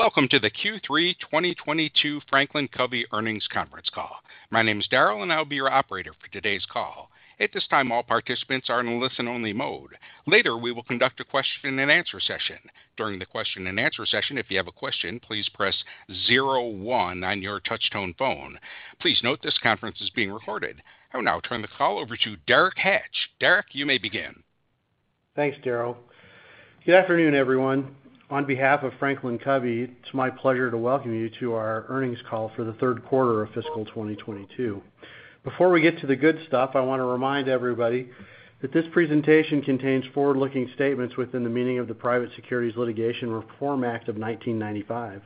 Welcome to the Q3 2022 Franklin Covey Earnings Conference Call. My name is Daryl, and I'll be your operator for today's call. At this time, all participants are in listen-only mode. Later, we will conduct a question-and-answer session. During the question-and-answer session, if you have a question, please press zero one on your touchtone phone. Please note this conference is being recorded. I will now turn the call over to Derek Hatch. Derek, you may begin. Thanks, Daryl. Good afternoon, everyone. On behalf of Franklin Covey, it's my pleasure to welcome you to our earnings call for the third quarter of fiscal 2022. Before we get to the good stuff, I wanna remind everybody that this presentation contains forward-looking statements within the meaning of the Private Securities Litigation Reform Act of 1995.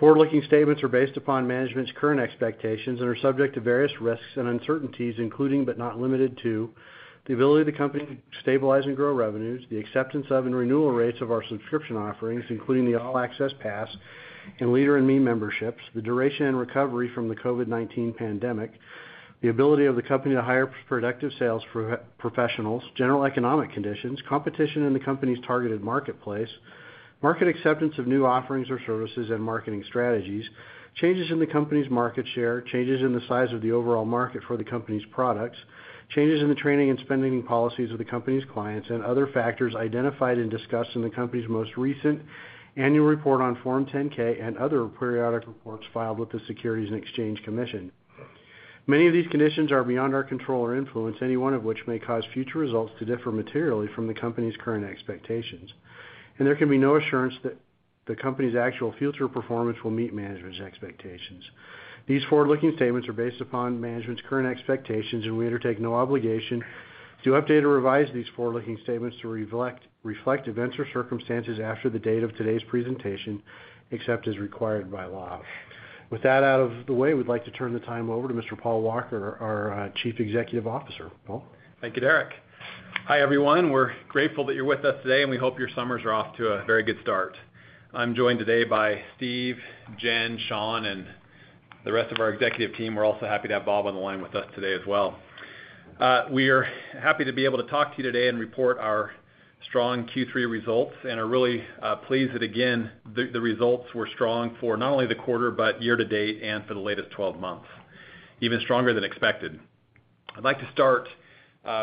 Forward-looking statements are based upon management's current expectations and are subject to various risks and uncertainties, including but not limited to the ability of the company to stabilize and grow revenues, the acceptance of and renewal rates of our subscription offerings, including the All Access Pass and Leader in Me memberships, the duration and recovery from the COVID-19 pandemic, the ability of the company to hire productive sales professionals, general economic conditions, competition in the company's targeted marketplace, market acceptance of new offerings or services and marketing strategies, changes in the company's market share, changes in the size of the overall market for the company's products, changes in the training and spending policies of the company's clients and other factors identified and discussed in the company's most recent Annual Report on Form 10-K and other periodic reports filed with the Securities and Exchange Commission. Many of these conditions are beyond our control or influence, any one of which may cause future results to differ materially from the company's current expectations. There can be no assurance that the company's actual future performance will meet management's expectations. These forward-looking statements are based upon management's current expectations, and we undertake no obligation to update or revise these forward-looking statements to reflect events or circumstances after the date of today's presentation, except as required by law. With that out of the way, we'd like to turn the time over to Mr. Paul Walker, our Chief Executive Officer. Paul? Thank you, Derek. Hi, everyone. We're grateful that you're with us today, and we hope your summers are off to a very good start. I'm joined today by Steve, Jen, Sean, and the rest of our executive team. We're also happy to have Bob on the line with us today as well. We are happy to be able to talk to you today and report our strong Q3 results and are really pleased that again the results were strong for not only the quarter but year to date and for the latest twelve months, even stronger than expected. I'd like to start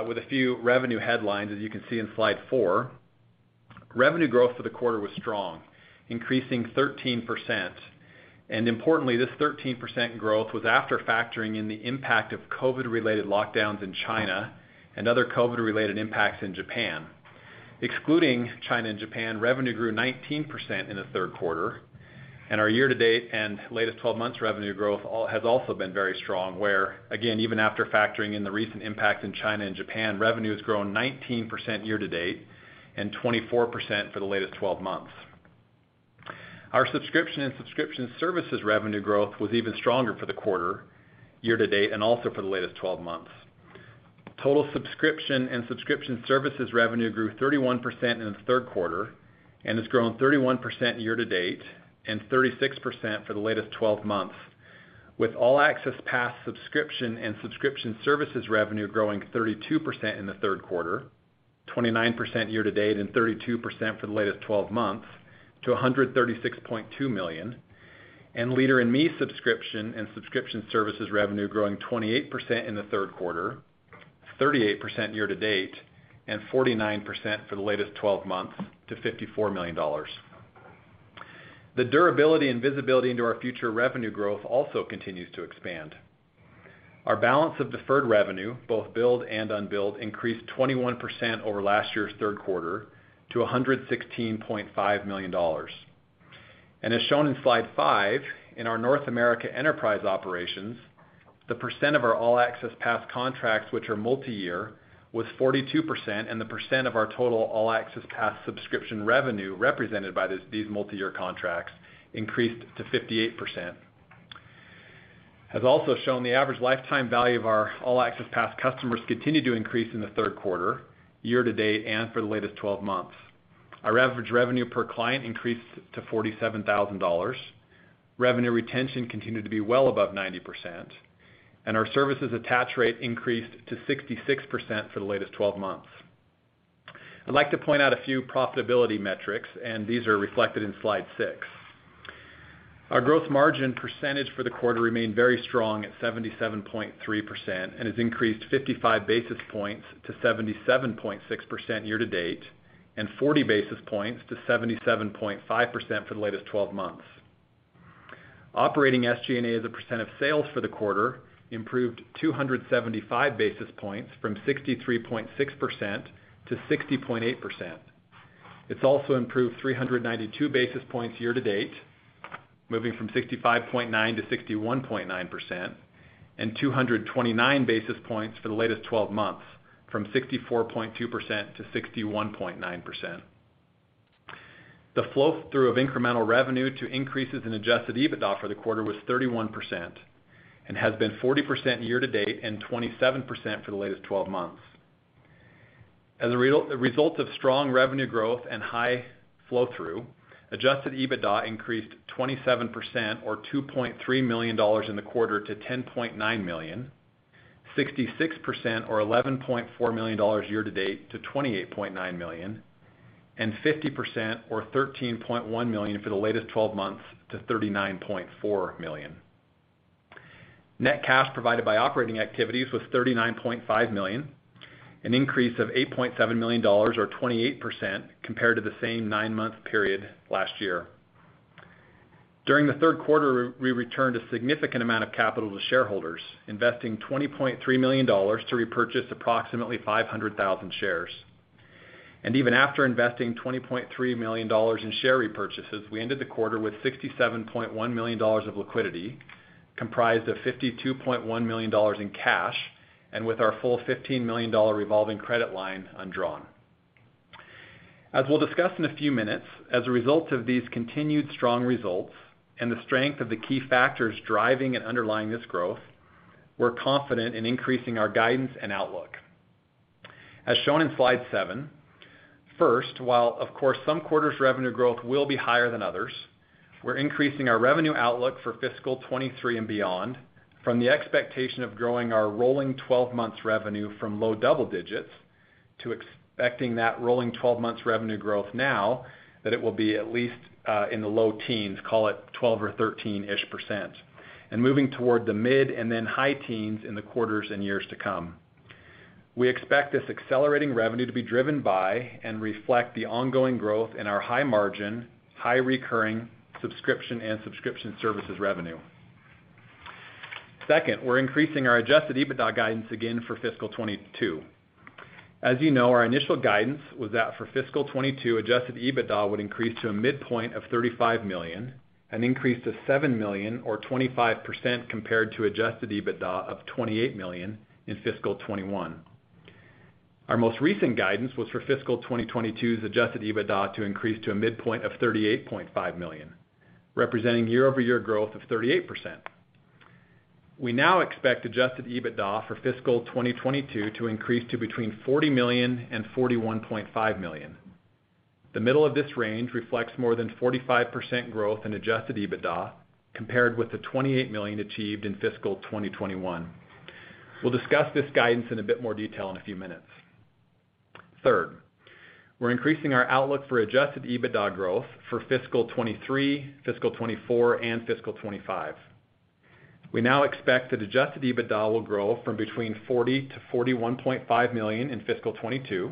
with a few revenue headlines, as you can see in slide four. Revenue growth for the quarter was strong, increasing 13%. Importantly, this 13% growth was after factoring in the impact of COVID-related lockdowns in China and other COVID-related impacts in Japan. Excluding China and Japan, revenue grew 19% in the third quarter, and our year to date and latest twelve months revenue growth has also been very strong, where, again, even after factoring in the recent impacts in China and Japan, revenue has grown 19% year to date and 24% for the latest twelve months. Our subscription and subscription services revenue growth was even stronger for the quarter year to date and also for the latest twelve months. Total subscription and subscription services revenue grew 31% in the third quarter and has grown 31% year to date and 36% for the latest twelve months, with All Access Pass subscription and subscription services revenue growing 32% in the third quarter, 29% year to date and 32% for the latest twelve months to $136.2 million. Leader in Me subscription and subscription services revenue growing 28% in the third quarter, 38% year to date and 49% for the latest twelve months to $54 million. The durability and visibility into our future revenue growth also continues to expand. Our balance of deferred revenue, both billed and unbilled, increased 21% over last year's third quarter to $116.5 million. As shown in slide five, in our North America Enterprise operations, the percent of our All Access Pass contracts which are multi-year was 42%, and the percent of our total All Access Pass subscription revenue represented by these multi-year contracts increased to 58%. As also shown, the average lifetime value of our All Access Pass customers continued to increase in the third quarter, year to date and for the latest 12 months. Our average revenue per client increased to $47,000. Revenue retention continued to be well above 90%. Our services attach rate increased to 66% for the latest 12 months. I'd like to point out a few profitability metrics, and these are reflected in slide six. Our growth margin percentage for the quarter remained very strong at 77.3% and has increased 55 basis points to 77.6% year to date and 40 basis points to 77.5% for the latest 12 months. Operating SG&A as a percent of sales for the quarter improved 275 basis points from 63.6% to 60.8%. It's also improved 392 basis points year to date, moving from 65.9% to 61.9% and 229 basis points for the latest 12 months from 64.2% to 61.9%. The flow through of incremental revenue to increases in adjusted EBITDA for the quarter was 31% and has been 40% year to date and 27% for the latest 12 months. As a result of strong revenue growth and high flow through, adjusted EBITDA increased 27% or $2.3 million in the quarter to $10.9 million, 66% or $11.4 million year to date to $28.9 million, and 50% or $13.1 million for the latest twelve months to $39.4 million. Net cash provided by operating activities was $39.5 million, an increase of $8.7 million or 28% compared to the same nine-month period last year. During the third quarter, we returned a significant amount of capital to shareholders, investing $20.3 million to repurchase approximately 500,000 shares. Even after investing $20.3 million in share repurchases, we ended the quarter with $67.1 million of liquidity, comprised of $52.1 million in cash and with our full $15 million revolving credit line undrawn. As we'll discuss in a few minutes, as a result of these continued strong results and the strength of the key factors driving and underlying this growth, we're confident in increasing our guidance and outlook. As shown in slide seven, first, while of course some quarters revenue growth will be higher than others, we're increasing our revenue outlook for fiscal 2023 and beyond from the expectation of growing our rolling twelve months revenue from low double digits to expecting that rolling twelve months revenue growth now that it will be at least in the low teens, call it 12% or 13%-ish, and moving toward the mid and then high teens in the quarters and years to come. We expect this accelerating revenue to be driven by and reflect the ongoing growth in our high margin, high recurring subscription and subscription services revenue. Second, we're increasing our adjusted EBITDA guidance again for fiscal 2022. As you know, our initial guidance was that for fiscal 2022, adjusted EBITDA would increase to a midpoint of $35 million, an increase to $7 million or 25% compared to adjusted EBITDA of $28 million in fiscal 2021. Our most recent guidance was for fiscal 2022's adjusted EBITDA to increase to a midpoint of $38.5 million, representing year-over-year growth of 38%. We now expect adjusted EBITDA for fiscal 2022 to increase to between $40 million and $41.5 million. The middle of this range reflects more than 45% growth in adjusted EBITDA compared with the $28 million achieved in fiscal 2021. We'll discuss this guidance in a bit more detail in a few minutes. Third, we're increasing our outlook for adjusted EBITDA growth for fiscal 2023, fiscal 2024, and fiscal 2025. We now expect that adjusted EBITDA will grow from between $40-$41.5 million in fiscal 2022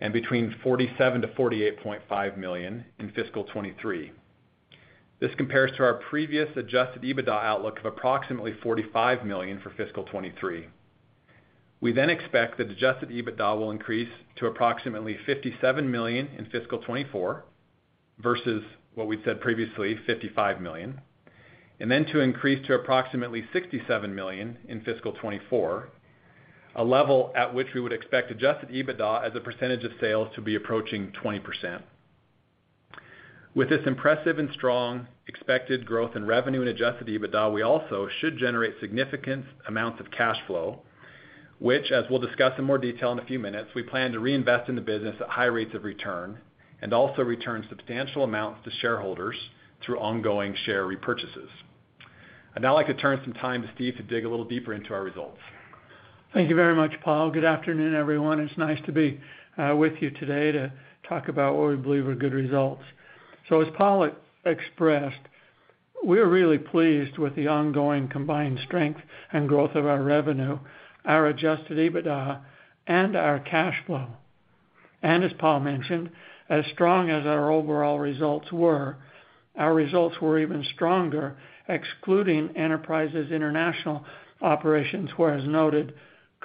and between $47-$48.5 million in fiscal 2023. This compares to our previous adjusted EBITDA outlook of approximately $45 million for fiscal 2023. We expect that adjusted EBITDA will increase to approximately $57 million in fiscal 2024 versus what we'd said previously, $55 million, and then to increase to approximately $67 million in fiscal 2024, a level at which we would expect adjusted EBITDA as a percentage of sales to be approaching 20%. With this impressive and strong expected growth in revenue and adjusted EBITDA, we also should generate significant amounts of cash flow, which, as we'll discuss in more detail in a few minutes, we plan to reinvest in the business at high rates of return and also return substantial amounts to shareholders through ongoing share repurchases. I'd now like to turn some time to Steve to dig a little deeper into our results. Thank you very much, Paul. Good afternoon, everyone. It's nice to be with you today to talk about what we believe are good results. As Paul expressed, we're really pleased with the ongoing combined strength and growth of our revenue, our adjusted EBITDA, and our cash flow. As Paul mentioned, as strong as our overall results were, our results were even stronger excluding Enterprise's international operations, where, as noted,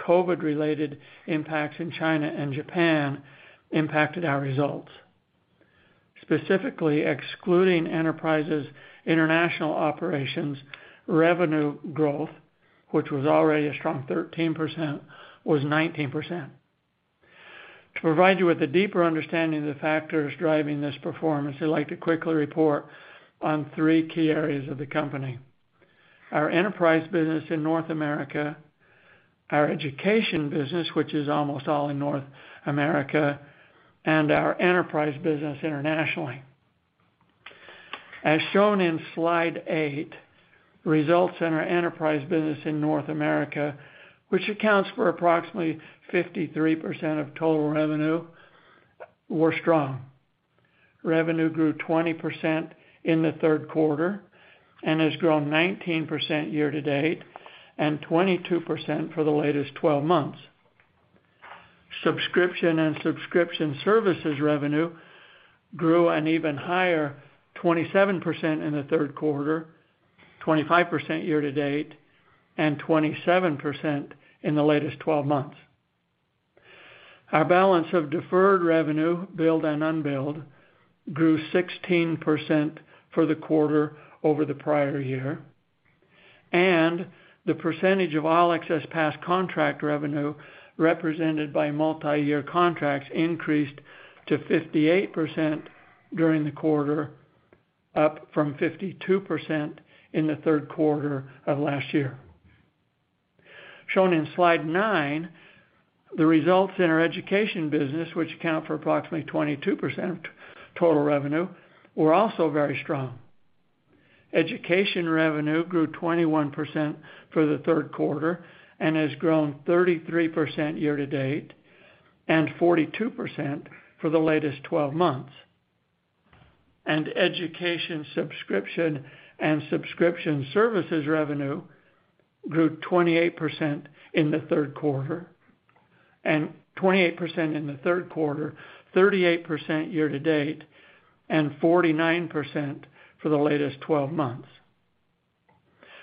COVID-related impacts in China and Japan impacted our results. Specifically excluding Enterprise's international operations, revenue growth, which was already a strong 13%, was 19%. To provide you with a deeper understanding of the factors driving this performance, I'd like to quickly report on three key areas of the company: our enterprise business in North America, our education business, which is almost all in North America, and our enterprise business internationally. As shown in slide eight, results in our enterprise business in North America, which accounts for approximately 53% of total revenue, were strong. Revenue grew 20% in the third quarter and has grown 19% year to date and 22% for the latest twelve months. Subscription and subscription services revenue grew an even higher 27% in the third quarter, 25% year to date, and 27% in the latest twelve months. Our balance of deferred revenue, billed and unbilled, grew 16% for the quarter over the prior year, and the percentage of all excess past contract revenue represented by multiyear contracts increased to 58% during the quarter, up from 52% in the third quarter of last year. Shown in slide nine, the results in our education business, which account for approximately 22% total revenue, were also very strong. Education revenue grew 21% for the third quarter and has grown 33% year-to-date and 42% for the latest twelve months. Education subscription and subscription services revenue grew 28% in the third quarter, 38% year-to-date, and 49% for the latest twelve months.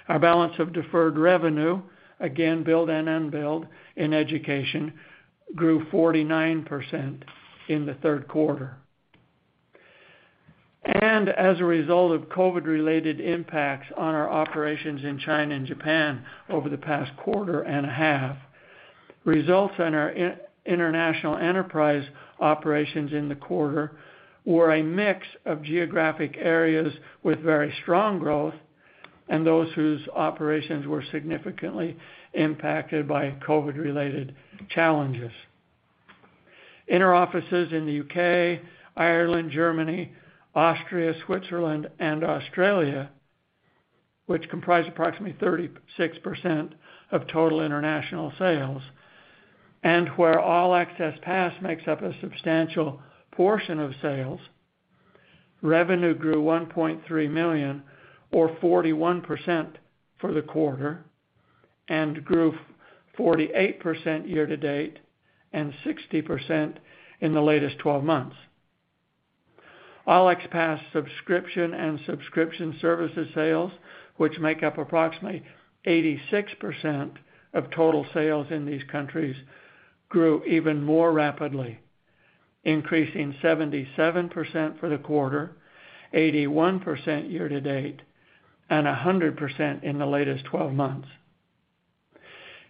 Our balance of deferred revenue, again, billed and unbilled, in Education grew 49% in the third quarter. As a result of COVID-related impacts on our operations in China and Japan over the past quarter and a half, results in our international enterprise operations in the quarter were a mix of geographic areas with very strong growth and those whose operations were significantly impacted by COVID-related challenges. In our offices in the U.K., Ireland, Germany, Austria, Switzerland, and Australia, which comprise approximately 36% of total international sales, and where All Access Pass makes up a substantial portion of sales, revenue grew $1.3 million or 41% for the quarter and grew 48% year-to-date and 60% in the latest twelve months. All Access Pass subscription and subscription services sales, which make up approximately 86% of total sales in these countries, grew even more rapidly, increasing 77% for the quarter, 81% year-to-date, and 100% in the latest twelve months.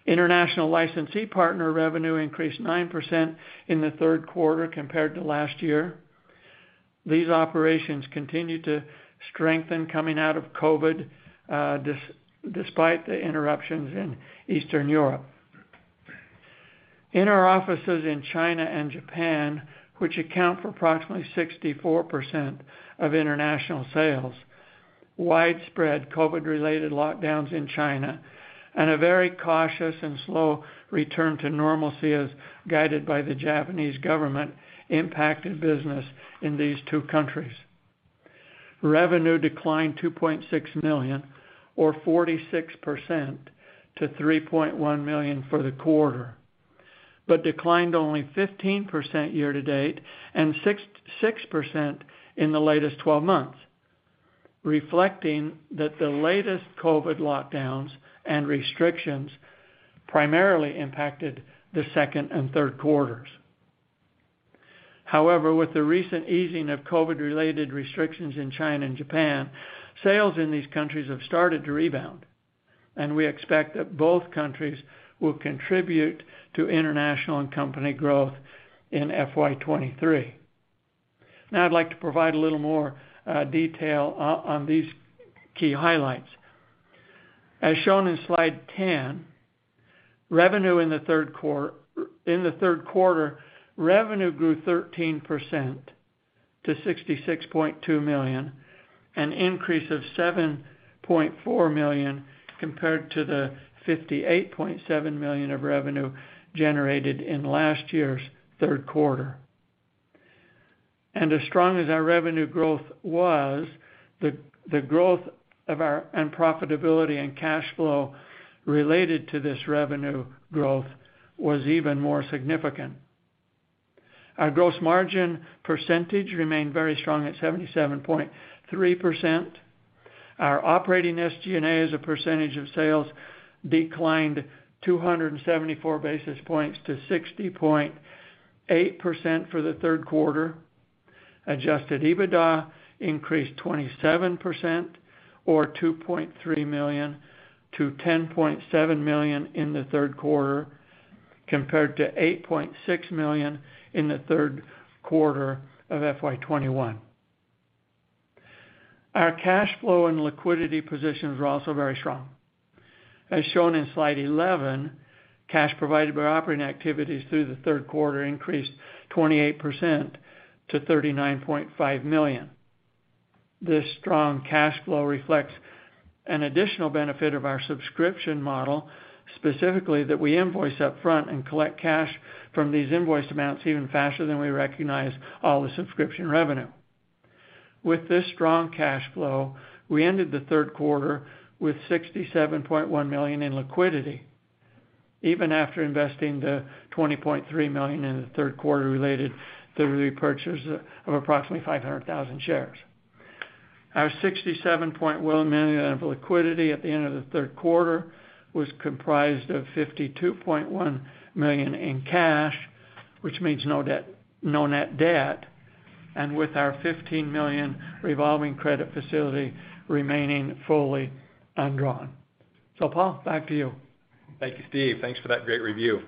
International licensee partner revenue increased 9% in the third quarter compared to last year. These operations continue to strengthen coming out of COVID, despite the interruptions in Eastern Europe. In our offices in China and Japan, which account for approximately 64% of international sales, widespread COVID-related lockdowns in China and a very cautious and slow return to normalcy, as guided by the Japanese government, impacted business in these two countries. Revenue declined $2.6 million or 46% to $3.1 million for the quarter, but declined only 15% year-to-date and 66% in the latest twelve months, reflecting that the latest COVID lockdowns and restrictions primarily impacted the second and third quarters. However, with the recent easing of COVID-related restrictions in China and Japan, sales in these countries have started to rebound, and we expect that both countries will contribute to international and company growth in FY 2023. Now, I'd like to provide a little more detail on these key highlights. As shown in slide 10, revenue in the third quarter grew 13% to $66.2 million, an increase of $7.4 million compared to the $58.7 million of revenue generated in last year's third quarter. As strong as our revenue growth was, the growth and profitability and cash flow related to this revenue growth was even more significant. Our gross margin percentage remained very strong at 77.3%. Our operating SG&A, as a percentage of sales, declined 274 basis points to 60.8% for the third quarter. Adjusted EBITDA increased 27% or $2.3 million to $10.7 million in the third quarter, compared to $8.6 million in the third quarter of FY 2021. Our cash flow and liquidity positions were also very strong. As shown in Slide 11, cash provided by operating activities through the third quarter increased 28% to $39.5 million. This strong cash flow reflects an additional benefit of our subscription model, specifically that we invoice up front and collect cash from these invoiced amounts even faster than we recognize all the subscription revenue. With this strong cash flow, we ended the third quarter with $67.1 million in liquidity, even after investing the $20.3 million in the third quarter related to the repurchase of approximately 500,000 shares. Our $67.1 million of liquidity at the end of the third quarter was comprised of $52.1 million in cash, which means no debt, no net debt, and with our $15 million revolving credit facility remaining fully undrawn. Paul, back to you. Thank you, Steve. Thanks for that great review.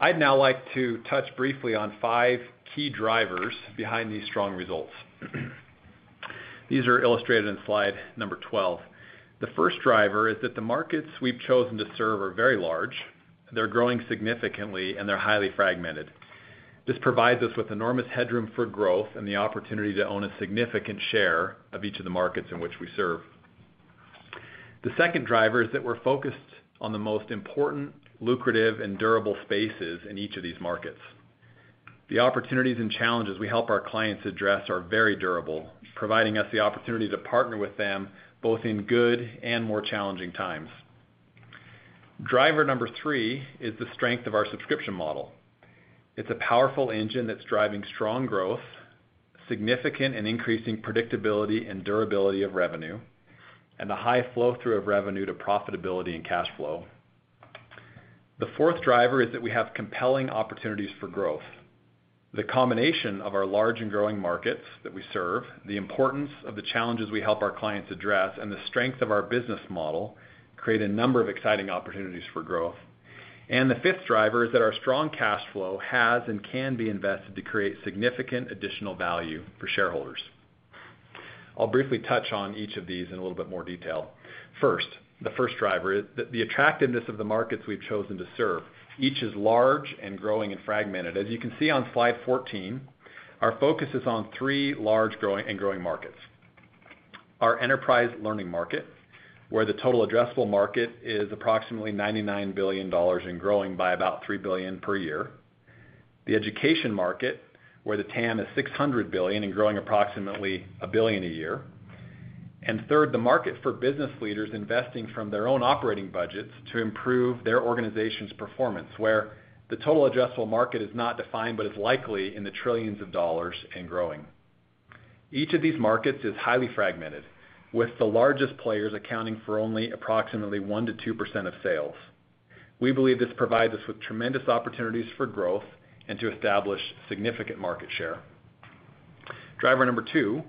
I'd now like to touch briefly on five key drivers behind these strong results. These are illustrated in slide number twelve. The first driver is that the markets we've chosen to serve are very large, they're growing significantly, and they're highly fragmented. This provides us with enormous headroom for growth and the opportunity to own a significant share of each of the markets in which we serve. The second driver is that we're focused on the most important, lucrative, and durable spaces in each of these markets. The opportunities and challenges we help our clients address are very durable, providing us the opportunity to partner with them both in good and more challenging times. Driver number three is the strength of our subscription model. It's a powerful engine that's driving strong growth, significant and increasing predictability and durability of revenue, and a high flow-through of revenue to profitability and cash flow. The fourth driver is that we have compelling opportunities for growth. The combination of our large and growing markets that we serve, the importance of the challenges we help our clients address, and the strength of our business model create a number of exciting opportunities for growth. The fifth driver is that our strong cash flow has and can be invested to create significant additional value for shareholders. I'll briefly touch on each of these in a little bit more detail. First, the first driver is the attractiveness of the markets we've chosen to serve. Each is large and growing and fragmented. As you can see on slide 14, our focus is on three large growing markets. Our enterprise learning market, where the total addressable market is approximately $99 billion and growing by about $3 billion per year. The education market, where the TAM is $600 billion and growing approximately $1 billion a year. Third, the market for business leaders investing from their own operating budgets to improve their organization's performance, where the total addressable market is not defined but is likely in the trillions of dollars and growing. Each of these markets is highly fragmented, with the largest players accounting for only approximately 1%-2% of sales. We believe this provides us with tremendous opportunities for growth and to establish significant market share. Driver number two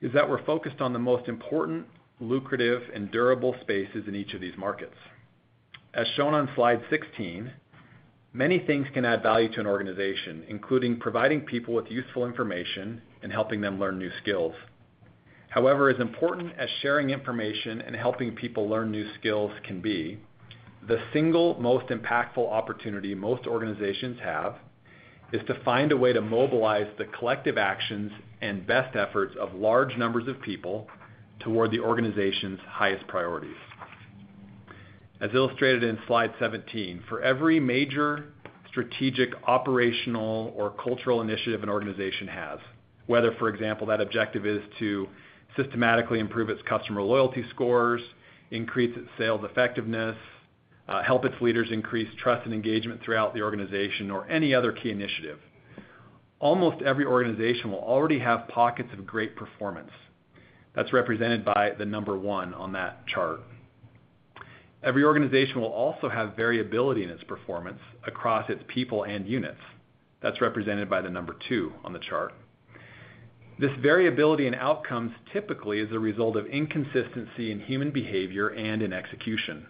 is that we're focused on the most important, lucrative, and durable spaces in each of these markets. As shown on slide 16, many things can add value to an organization, including providing people with useful information and helping them learn new skills. However, as important as sharing information and helping people learn new skills can be, the single most impactful opportunity most organizations have is to find a way to mobilize the collective actions and best efforts of large numbers of people toward the organization's highest priorities. As illustrated in slide 17, for every major strategic, operational, or cultural initiative an organization has, whether, for example, that objective is to systematically improve its customer loyalty scores, increase its sales effectiveness, help its leaders increase trust and engagement throughout the organization or any other key initiative. Almost every organization will already have pockets of great performance. That's represented by the number one on that chart. Every organization will also have variability in its performance across its people and units. That's represented by the number two on the chart. This variability in outcomes typically is a result of inconsistency in human behavior and in execution.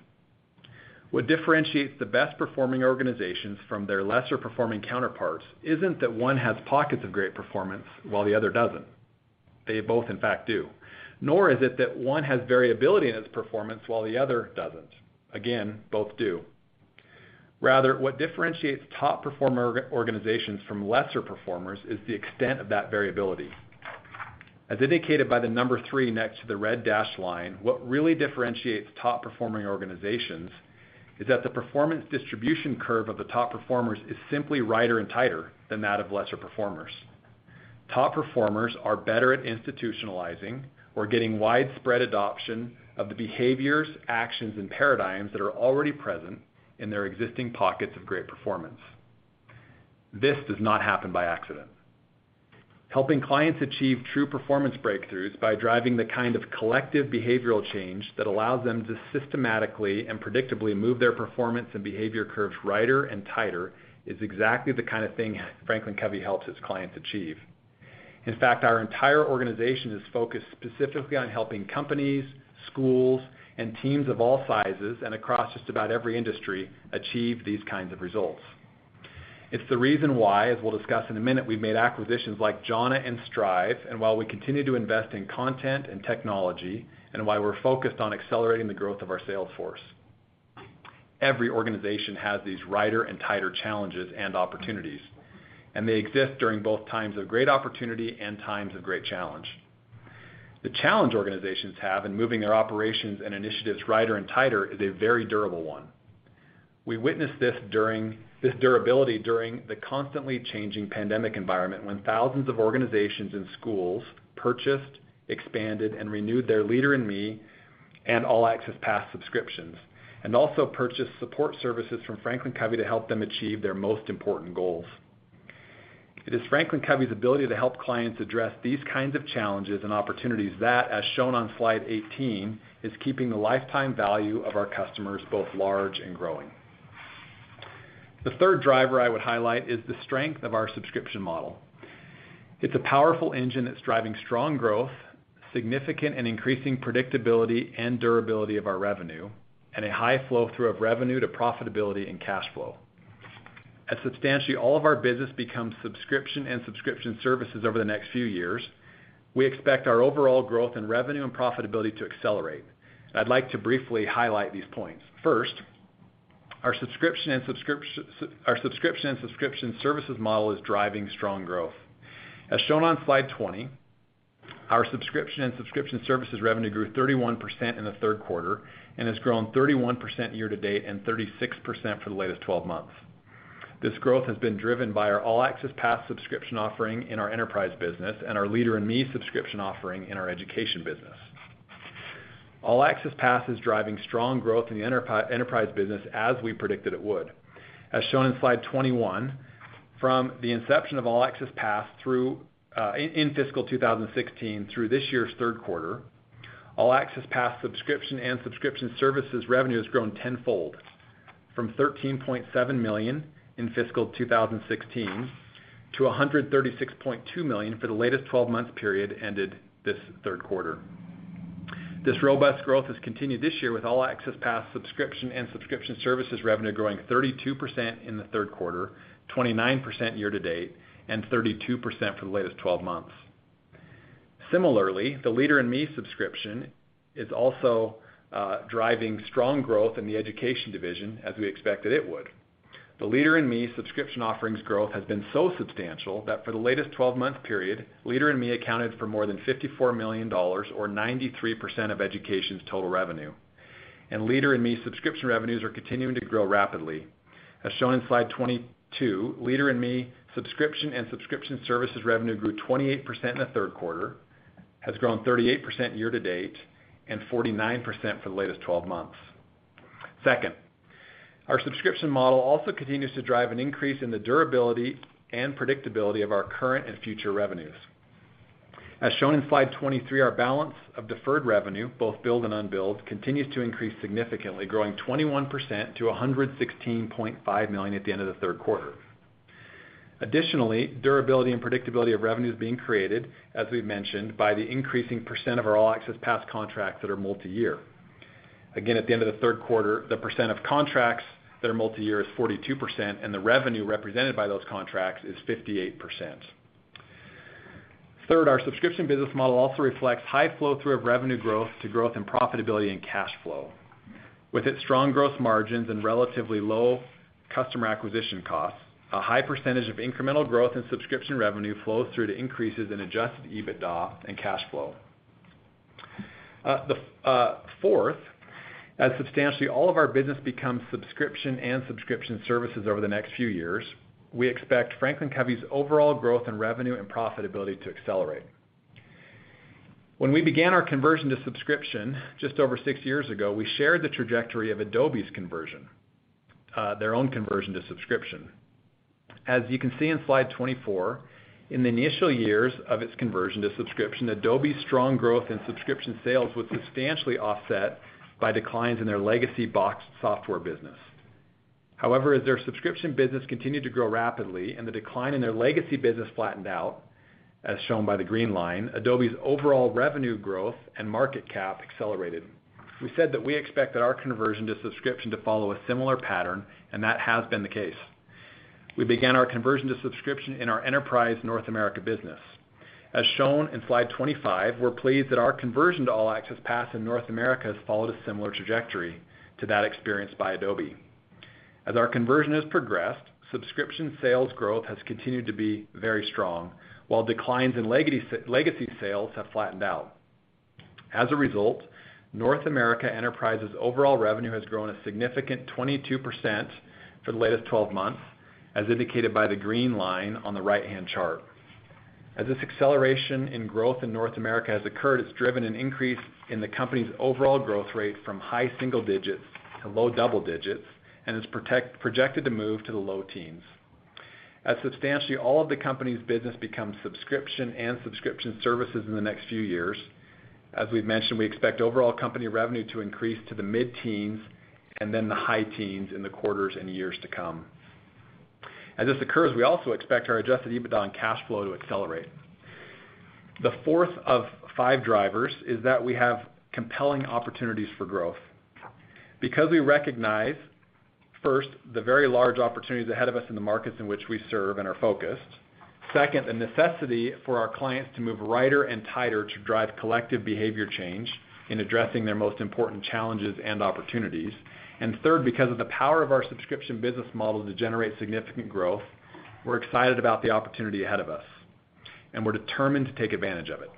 What differentiates the best performing organizations from their lesser performing counterparts isn't that one has pockets of great performance while the other doesn't. They both, in fact, do. Nor is it that one has variability in its performance while the other doesn't. Again, both do. Rather, what differentiates top performer organizations from lesser performers is the extent of that variability. As indicated by the number three next to the red dashed line, what really differentiates top-performing organizations is that the performance distribution curve of the top performers is simply righter and tighter than that of lesser performers. Top performers are better at institutionalizing or getting widespread adoption of the behaviors, actions, and paradigms that are already present in their existing pockets of great performance. This does not happen by accident. Helping clients achieve true performance breakthroughs by driving the kind of collective behavioral change that allows them to systematically and predictably move their performance and behavior curves righter and tighter is exactly the kind of thing Franklin Covey helps its clients achieve. In fact, our entire organization is focused specifically on helping companies, schools, and teams of all sizes and across just about every industry achieve these kinds of results. It's the reason why, as we'll discuss in a minute, we've made acquisitions like Jhana and Strive, and while we continue to invest in content and technology, and why we're focused on accelerating the growth of our sales force. Every organization has these righter and tighter challenges and opportunities, and they exist during both times of great opportunity and times of great challenge. The challenge organizations have in moving their operations and initiatives righter and tighter is a very durable one. We witnessed this durability during the constantly changing pandemic environment when thousands of organizations and schools purchased, expanded, and renewed their Leader in Me and All Access Pass subscriptions, and also purchased support services from Franklin Covey to help them achieve their most important goals. It is Franklin Covey's ability to help clients address these kinds of challenges and opportunities that, as shown on slide 18, is keeping the lifetime value of our customers both large and growing. The third driver I would highlight is the strength of our subscription model. It's a powerful engine that's driving strong growth, significant and increasing predictability and durability of our revenue, and a high flow-through of revenue to profitability and cash flow. As substantially all of our business becomes subscription and subscription services over the next few years. We expect our overall growth in revenue and profitability to accelerate. I'd like to briefly highlight these points. First, our subscription and subscription services model is driving strong growth. As shown on slide 20, our subscription and subscription services revenue grew 31% in the third quarter and has grown 31% year to date and 36% for the latest twelve months. This growth has been driven by our All Access Pass subscription offering in our enterprise business and our Leader in Me subscription offering in our education business. All Access Pass is driving strong growth in the enterprise business as we predicted it would. As shown in slide 21, from the inception of All Access Pass through fiscal 2016 through this year's third quarter, All Access Pass subscription services revenue has grown tenfold from $13.7 million in fiscal 2016 to $136.2 million for the latest twelve-month period ended this third quarter. This robust growth has continued this year with All Access Pass subscription services revenue growing 32% in the third quarter, 29% year to date, and 32% for the latest twelve months. Similarly, the Leader in Me subscription is also driving strong growth in the Education Division as we expected it would. The Leader in Me subscription offerings growth has been so substantial that for the latest twelve-month period, Leader in Me accounted for more than $54 million or 93% of Education's total revenue. Leader in Me subscription revenues are continuing to grow rapidly. As shown in slide 22, Leader in Me subscription and subscription services revenue grew 28% in the third quarter, has grown 38% year to date, and 49% for the latest twelve months. Second, our subscription model also continues to drive an increase in the durability and predictability of our current and future revenues. As shown in slide 23, our balance of deferred revenue, both billed and unbilled, continues to increase significantly, growing 21% to $116.5 million at the end of the third quarter. Additionally, durability and predictability of revenue is being created, as we've mentioned, by the increasing percent of our All Access Pass contracts that are multiyear. Again, at the end of the third quarter, the percent of contracts that are multiyear is 42%, and the revenue represented by those contracts is 58%. Third, our subscription business model also reflects high flow-through of revenue growth to growth and profitability, and cash flow. With its strong gross margins and relatively low customer acquisition costs, a high percentage of incremental growth in subscription revenue flows through to increases in adjusted EBITDA and cash flow. Fourth, as substantially all of our business becomes subscription and subscription services over the next few years, we expect Franklin Covey's overall growth in revenue and profitability to accelerate. When we began our conversion to subscription just over six years ago, we shared the trajectory of Adobe's conversion, their own conversion to subscription. As you can see in slide 24, in the initial years of its conversion to subscription, Adobe's strong growth in subscription sales was substantially offset by declines in their legacy boxed software business. However, as their subscription business continued to grow rapidly and the decline in their legacy business flattened out, as shown by the green line, Adobe's overall revenue growth and market cap accelerated. We said that we expected our conversion to subscription to follow a similar pattern, and that has been the case. We began our conversion to subscription in our enterprise North America business. As shown in slide 25, we're pleased that our conversion to All Access Pass in North America has followed a similar trajectory to that experienced by Adobe. As our conversion has progressed, subscription sales growth has continued to be very strong, while declines in legacy sales have flattened out. As a result, North America Enterprise's overall revenue has grown a significant 22% for the latest 12 months, as indicated by the green line on the right-hand chart. As this acceleration in growth in North America has occurred, it's driven an increase in the company's overall growth rate from high single digits to low double digits and is projected to move to the low teens. As substantially all of the company's business becomes subscription and subscription services in the next few years, as we've mentioned, we expect overall company revenue to increase to the mid-teens and then the high teens in the quarters and years to come. As this occurs, we also expect our adjusted EBITDA and cash flow to accelerate. The fourth of five drivers is that we have compelling opportunities for growth. Because we recognize, first, the very large opportunities ahead of us in the markets in which we serve and are focused, second, the necessity for our clients to move lighter and tighter to drive collective behavior change in addressing their most important challenges and opportunities, and third, because of the power of our subscription business model to generate significant growth, we're excited about the opportunity ahead of us, and we're determined to take advantage of it.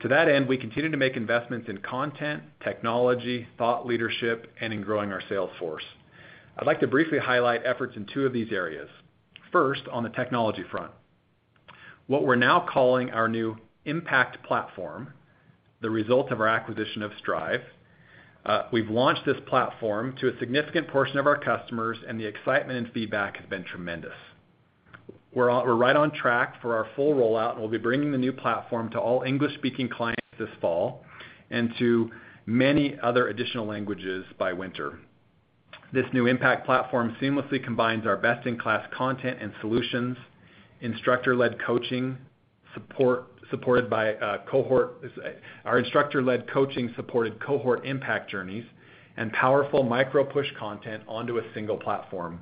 To that end, we continue to make investments in content, technology, thought leadership, and in growing our sales force. I'd like to briefly highlight efforts in two of these areas. First, on the technology front. What we're now calling our new Impact Platform, the result of our acquisition of Strive, we've launched this platform to a significant portion of our customers, and the excitement and feedback has been tremendous. We're right on track for our full rollout, and we'll be bringing the new platform to all English-speaking clients this fall and to many other additional languages by winter. This new Impact Platform seamlessly combines our best-in-class content and solutions, instructor-led coaching support, supported by a cohort. Our instructor-led coaching supported cohort Impact journeys and powerful micro-push content onto a single platform.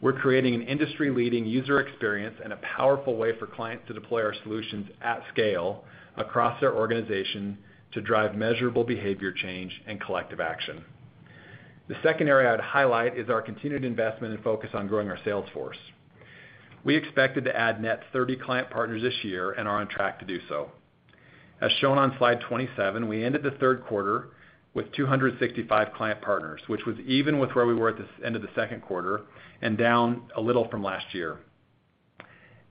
We're creating an industry-leading user experience and a powerful way for clients to deploy our solutions at scale across their organization to drive measurable behavior change and collective action. The second area I'd highlight is our continued investment and focus on growing our sales force. We expected to add net 30 Client Partners this year and are on track to do so. As shown on slide 27, we ended the third quarter with 265 Client Partners, which was even with where we were at the end of the second quarter and down a little from last year.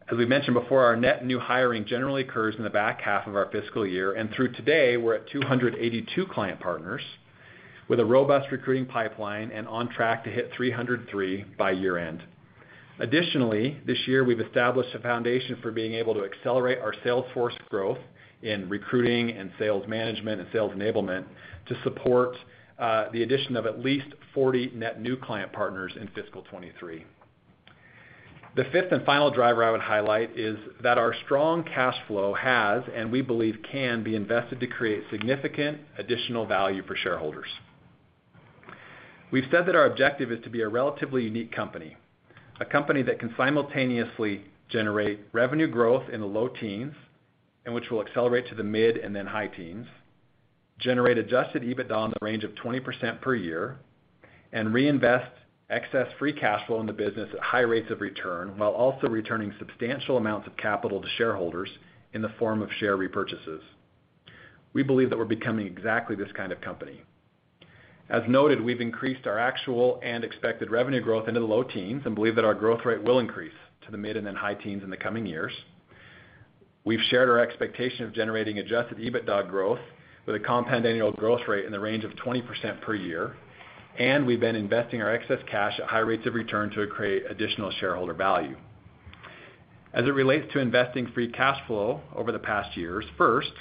As we've mentioned before, our net new hiring generally occurs in the back half of our fiscal year, and through today, we're at 282 Client Partners with a robust recruiting pipeline and on track to hit 303 by year-end. Additionally, this year, we've established a foundation for being able to accelerate our sales force growth in recruiting and sales management and sales enablement to support the addition of at least 40 net new Client Partners in fiscal 2023. The fifth and final driver I would highlight is that our strong cash flow has, and we believe, can be invested to create significant additional value for shareholders. We've said that our objective is to be a relatively unique company, a company that can simultaneously generate revenue growth in the low teens, and which will accelerate to the mid and then high teens, generate adjusted EBITDA in the range of 20% per year, and reinvest excess free cash flow in the business at high rates of return, while also returning substantial amounts of capital to shareholders in the form of share repurchases. We believe that we're becoming exactly this kind of company. As noted, we've increased our actual and expected revenue growth into the low teens and believe that our growth rate will increase to the mid and then high teens in the coming years. We've shared our expectation of generating adjusted EBITDA growth with a compound annual growth rate in the range of 20% per year, and we've been investing our excess cash at high rates of return to create additional shareholder value. As it relates to investing free cash flow over the past years, first,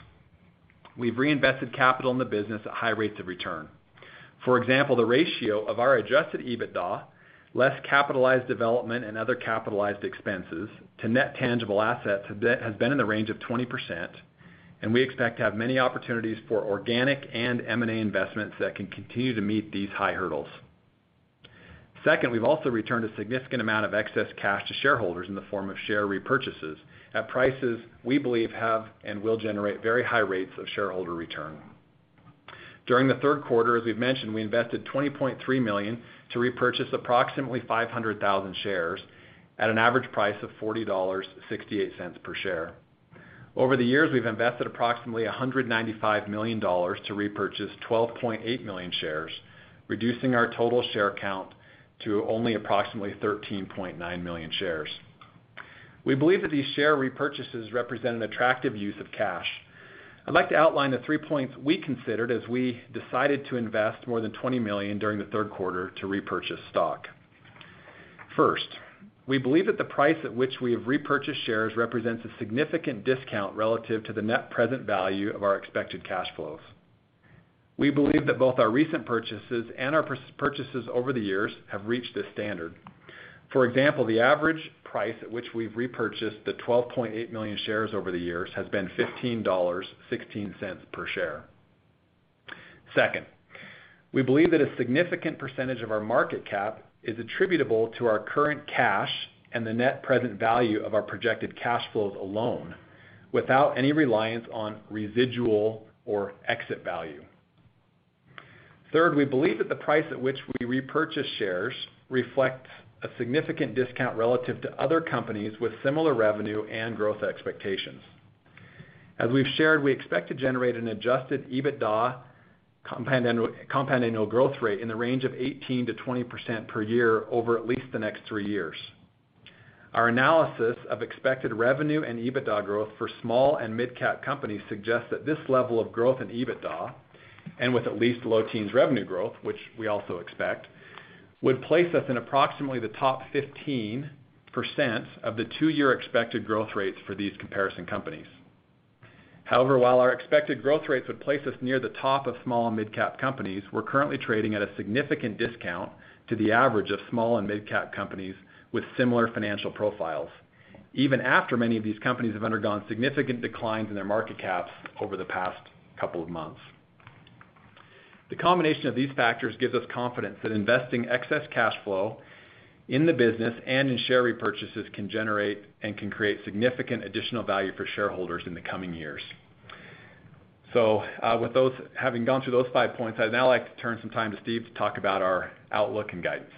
we've reinvested capital in the business at high rates of return. For example, the ratio of our adjusted EBITDA, less capitalized development and other capitalized expenses to net tangible assets has been in the range of 20%, and we expect to have many opportunities for organic and M&A investments that can continue to meet these high hurdles. Second, we've also returned a significant amount of excess cash to shareholders in the form of share repurchases at prices we believe have and will generate very high rates of shareholder return. During the third quarter, as we've mentioned, we invested $20.3 million to repurchase approximately 500,000 shares at an average price of $40.68 per share. Over the years, we've invested approximately $195 million to repurchase 12.8 million shares, reducing our total share count to only approximately 13.9 million shares. We believe that these share repurchases represent an attractive use of cash. I'd like to outline the three points we considered as we decided to invest more than $20 million during the third quarter to repurchase stock. First, we believe that the price at which we have repurchased shares represents a significant discount relative to the net present value of our expected cash flows. We believe that both our recent purchases and our purchases over the years have reached this standard. For example, the average price at which we've repurchased the 12.8 million shares over the years has been $15.16 per share. Second, we believe that a significant percentage of our market cap is attributable to our current cash and the net present value of our projected cash flows alone without any reliance on residual or exit value. Third, we believe that the price at which we repurchase shares reflects a significant discount relative to other companies with similar revenue and growth expectations. As we've shared, we expect to generate an adjusted EBITDA compound annual growth rate in the range of 18%-20% per year over at least the next three years. Our analysis of expected revenue and EBITDA growth for small and midcap companies suggests that this level of growth in EBITDA, and with at least low teens revenue growth, which we also expect, would place us in approximately the top 15% of the two-year expected growth rates for these comparison companies. However, while our expected growth rates would place us near the top of small and midcap companies, we're currently trading at a significant discount to the average of small and midcap companies with similar financial profiles, even after many of these companies have undergone significant declines in their market caps over the past couple of months. The combination of these factors gives us confidence that investing excess cash flow in the business and in share repurchases can generate and create significant additional value for shareholders in the coming years. With those having gone through those five points, I'd now like to turn some time to Steve to talk about our outlook and guidance.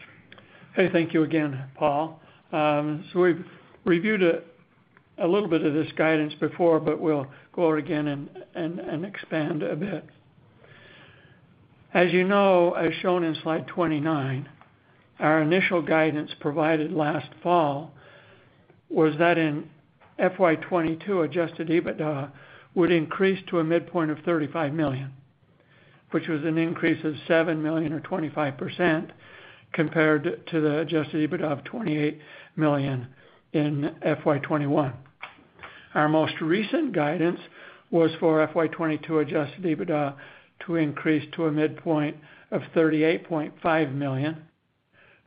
Hey, thank you again, Paul. So we've reviewed a little bit of this guidance before, but we'll go over it again and expand a bit. As you know, as shown in slide 29, our initial guidance provided last fall was that in FY 2022, adjusted EBITDA would increase to a midpoint of $35 million, which was an increase of $7 million or 25% compared to the adjusted EBITDA of $28 million in FY 2021. Our most recent guidance was for FY 2022 adjusted EBITDA to increase to a midpoint of $38.5 million,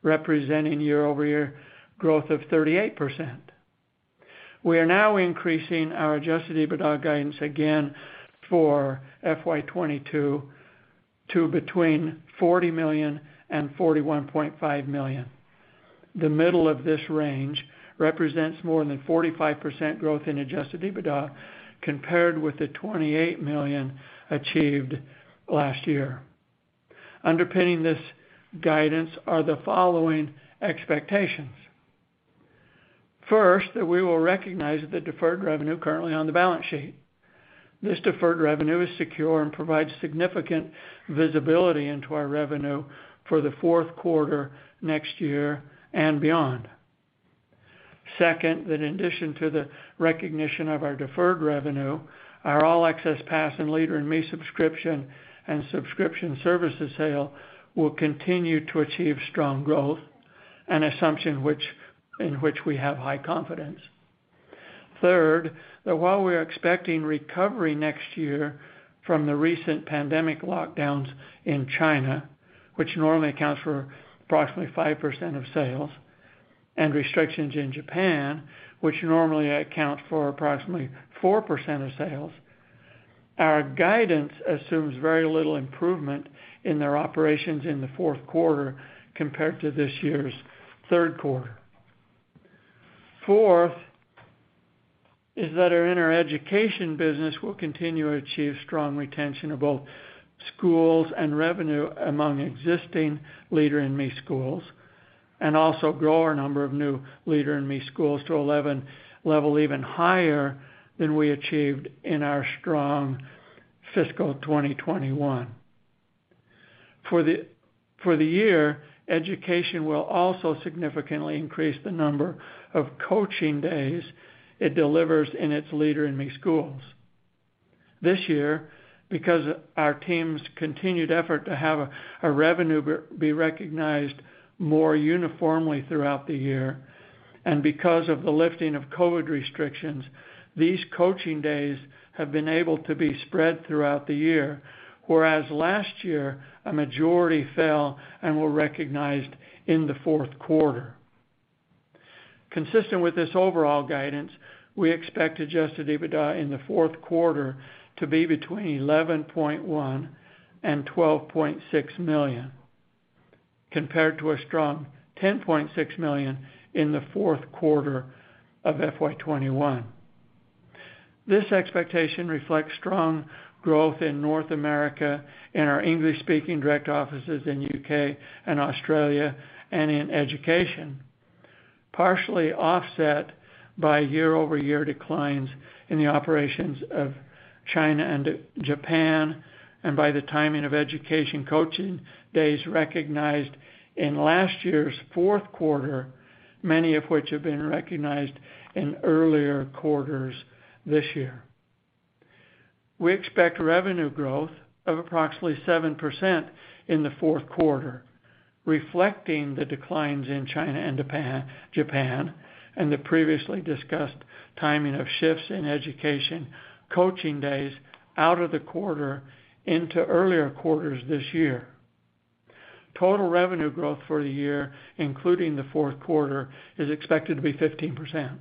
representing year-over-year growth of 38%. We are now increasing our adjusted EBITDA guidance again for FY 2022 to between $40 million and $41.5 million. The middle of this range represents more than 45% growth in adjusted EBITDA compared with the $28 million achieved last year. Underpinning this guidance are the following expectations. First, that we will recognize the deferred revenue currently on the balance sheet. This deferred revenue is secure and provides significant visibility into our revenue for the fourth quarter next year and beyond. Second, that in addition to the recognition of our deferred revenue, our All Access Pass and Leader in Me subscription and subscription services sale will continue to achieve strong growth, an assumption in which we have high confidence. Third, that while we're expecting recovery next year from the recent pandemic lockdowns in China, which normally accounts for approximately 5% of sales, and restrictions in Japan, which normally account for approximately 4% of sales, our guidance assumes very little improvement in their operations in the fourth quarter compared to this year's third quarter. Fourth is that our education business will continue to achieve strong retention of both schools and revenue among existing Leader in Me schools and also grow our number of new Leader in Me schools to a level even higher than we achieved in our strong fiscal 2021. For the year, Education will also significantly increase the number of coaching days it delivers in its Leader in Me schools. This year, because our team's continued effort to have revenue be recognized more uniformly throughout the year and because of the lifting of COVID restrictions, these coaching days have been able to be spread throughout the year, whereas last year, a majority fell and were recognized in the fourth quarter. Consistent with this overall guidance, we expect adjusted EBITDA in the fourth quarter to be between $11.1 million and $12.6 million, compared to a strong $10.6 million in the fourth quarter of FY 2021. This expectation reflects strong growth in North America, in our English-speaking direct offices in U.K. and Australia, and in Education, partially offset by year-over-year declines in the operations of China and Japan, and by the timing of education coaching days recognized in last year's fourth quarter, many of which have been recognized in earlier quarters this year. We expect revenue growth of approximately 7% in the fourth quarter, reflecting the declines in China and Japan, and the previously discussed timing of shifts in education coaching days out of the quarter into earlier quarters this year. Total revenue growth for the year, including the fourth quarter, is expected to be 15%.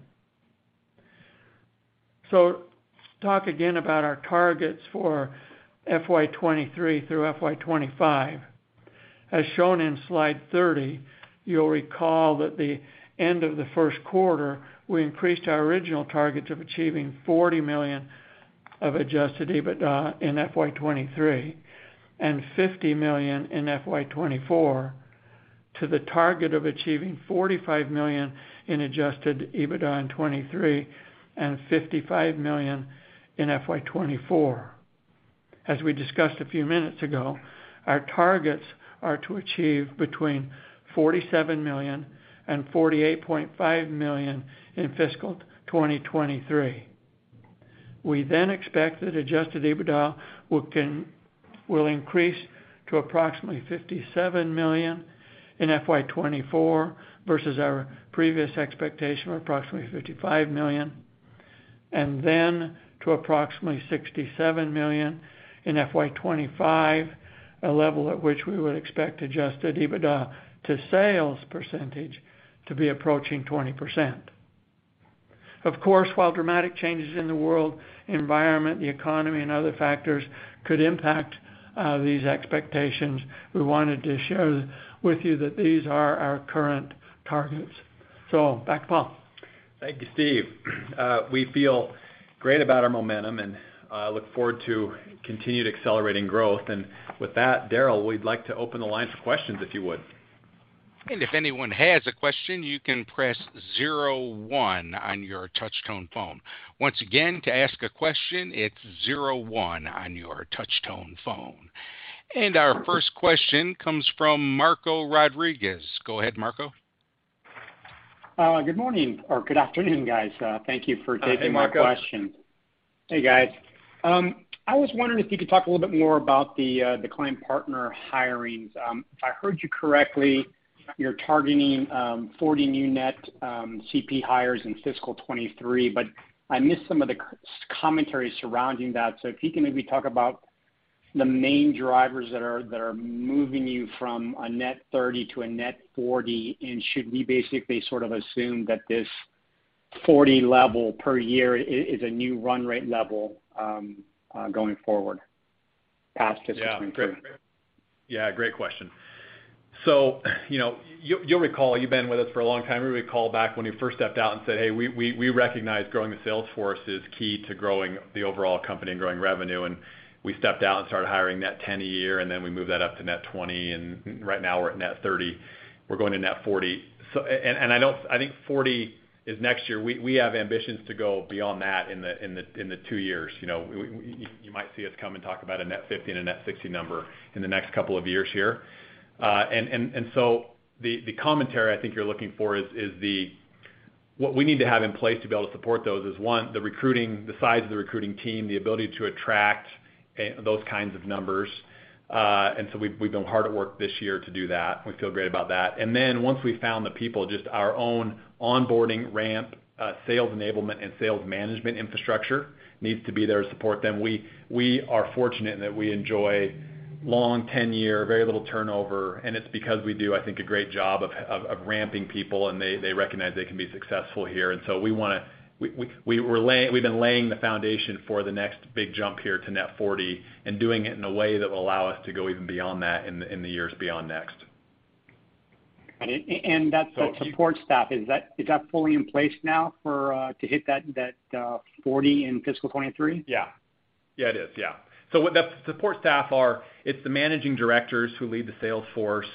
Talk again about our targets for FY 2023 through FY 2025. As shown in slide 30, you'll recall that the end of the first quarter, we increased our original targets of achieving $40 million of adjusted EBITDA in FY 2023 and $50 million in FY 2024 to the target of achieving $45 million in adjusted EBITDA in 2023 and $55 million in FY 2024. As we discussed a few minutes ago, our targets are to achieve between $47 million and $48.5 million in fiscal 2023. We then expect that adjusted EBITDA will increase to approximately $57 million in FY 2024 versus our previous expectation of approximately $55 million, and then to approximately $67 million in FY 2025, a level at which we would expect adjusted EBITDA to sales percentage to be approaching 20%. Of course, while dramatic changes in the world environment, the economy, and other factors could impact these expectations, we wanted to share with you that these are our current targets. Back to Paul. Thank you, Steve. We feel great about our momentum and look forward to continued accelerating growth. With that, Daryl, we'd like to open the lines of questions, if you would. If anyone has a question, you can press zero one on your touch-tone phone. Once again, to ask a question, it's zero one on your touch-tone phone. Our first question comes from Marco Rodriguez. Go ahead, Marco. Good morning or good afternoon, guys. Thank you for taking my question. Hey, Marco. Hey, guys. I was wondering if you could talk a little bit more about the client partner hirings. If I heard you correctly, you're targeting 40 new net CP hires in fiscal 2023, but I missed some of the commentary surrounding that. If you can maybe talk about the main drivers that are moving you from a net 30 to a net 40. Should we basically sort of assume that this 40 level per year is a new run rate level going forward? Yeah. Great. Yeah, great question. So, you know, you'll recall, you've been with us for a long time. You'll recall back when we first stepped out and said, "Hey, we recognize growing the sales force is key to growing the overall company and growing revenue." We stepped out and started hiring net 10 a year, and then we moved that up to net 20, and right now we're at net 30. We're going to net 40. I think 40 is next year. We have ambitions to go beyond that in the two years. You know, you might see us come and talk about a net 50 and a net 60 number in the next couple of years here. The commentary I think you're looking for is what we need to have in place to be able to support those is, one, the recruiting, the size of the recruiting team, the ability to attract those kinds of numbers. We've been hard at work this year to do that, and we feel great about that. Then once we've found the people, just our own onboarding ramp, sales enablement, and sales management infrastructure needs to be there to support them. We are fortunate in that we enjoy long ten-year, very little turnover, and it's because we do, I think, a great job of ramping people, and they recognize they can be successful here. We've been laying the foundation for the next big jump here to net 40 and doing it in a way that will allow us to go even beyond that in the years beyond next. that support staff, is that fully in place now for to hit that 40 in fiscal 2023? What the support staff are, it's the Managing Directors who lead the sales force.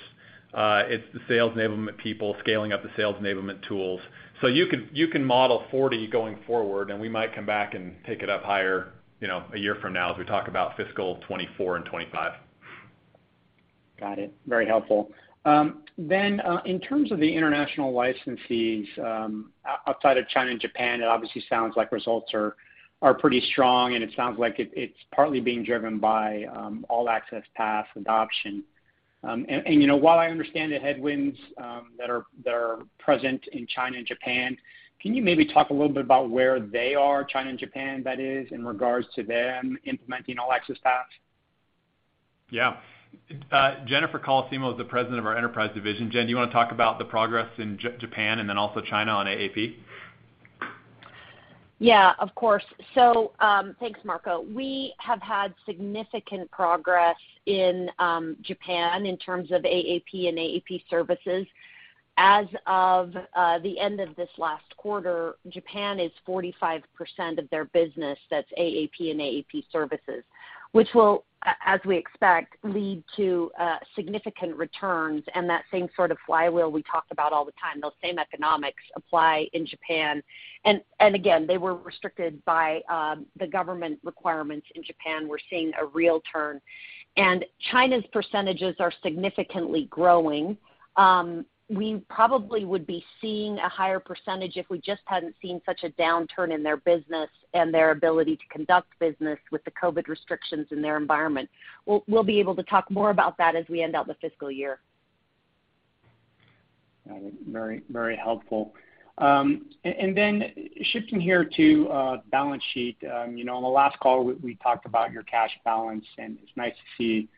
It's the sales enablement people scaling up the sales enablement tools. You can model 40 going forward, and we might come back and take it up higher, you know, a year from now as we talk about fiscal 2024 and 2025. Got it. Very helpful. In terms of the international licensees, outside of China and Japan, it obviously sounds like results are pretty strong, and it sounds like it's partly being driven by All Access Pass adoption. You know, while I understand the headwinds that are present in China and Japan, can you maybe talk a little bit about where they are, China and Japan that is, in regards to them implementing All Access Pass? Yeah. Jennifer Colosimo is the President of our Enterprise Division. Jen, do you wanna talk about the progress in Japan and then also China on AAP? Yeah, of course. Thanks, Marco. We have had significant progress in Japan in terms of AAP and AAP services. As of the end of this last quarter, Japan is 45% of their business, that's AAP and AAP services, which will, as we expect, lead to significant returns and that same sort of flywheel we talk about all the time. Those same economics apply in Japan. Again, they were restricted by the government requirements in Japan. We're seeing a real turn. China's percentages are significantly growing. We probably would be seeing a higher percentage if we just hadn't seen such a downturn in their business and their ability to conduct business with the COVID restrictions in their environment. We'll be able to talk more about that as we end out the fiscal year. Got it. Very, very helpful. Shifting here to balance sheet. You know, on the last call, we talked about your cash balance, and it's nice to see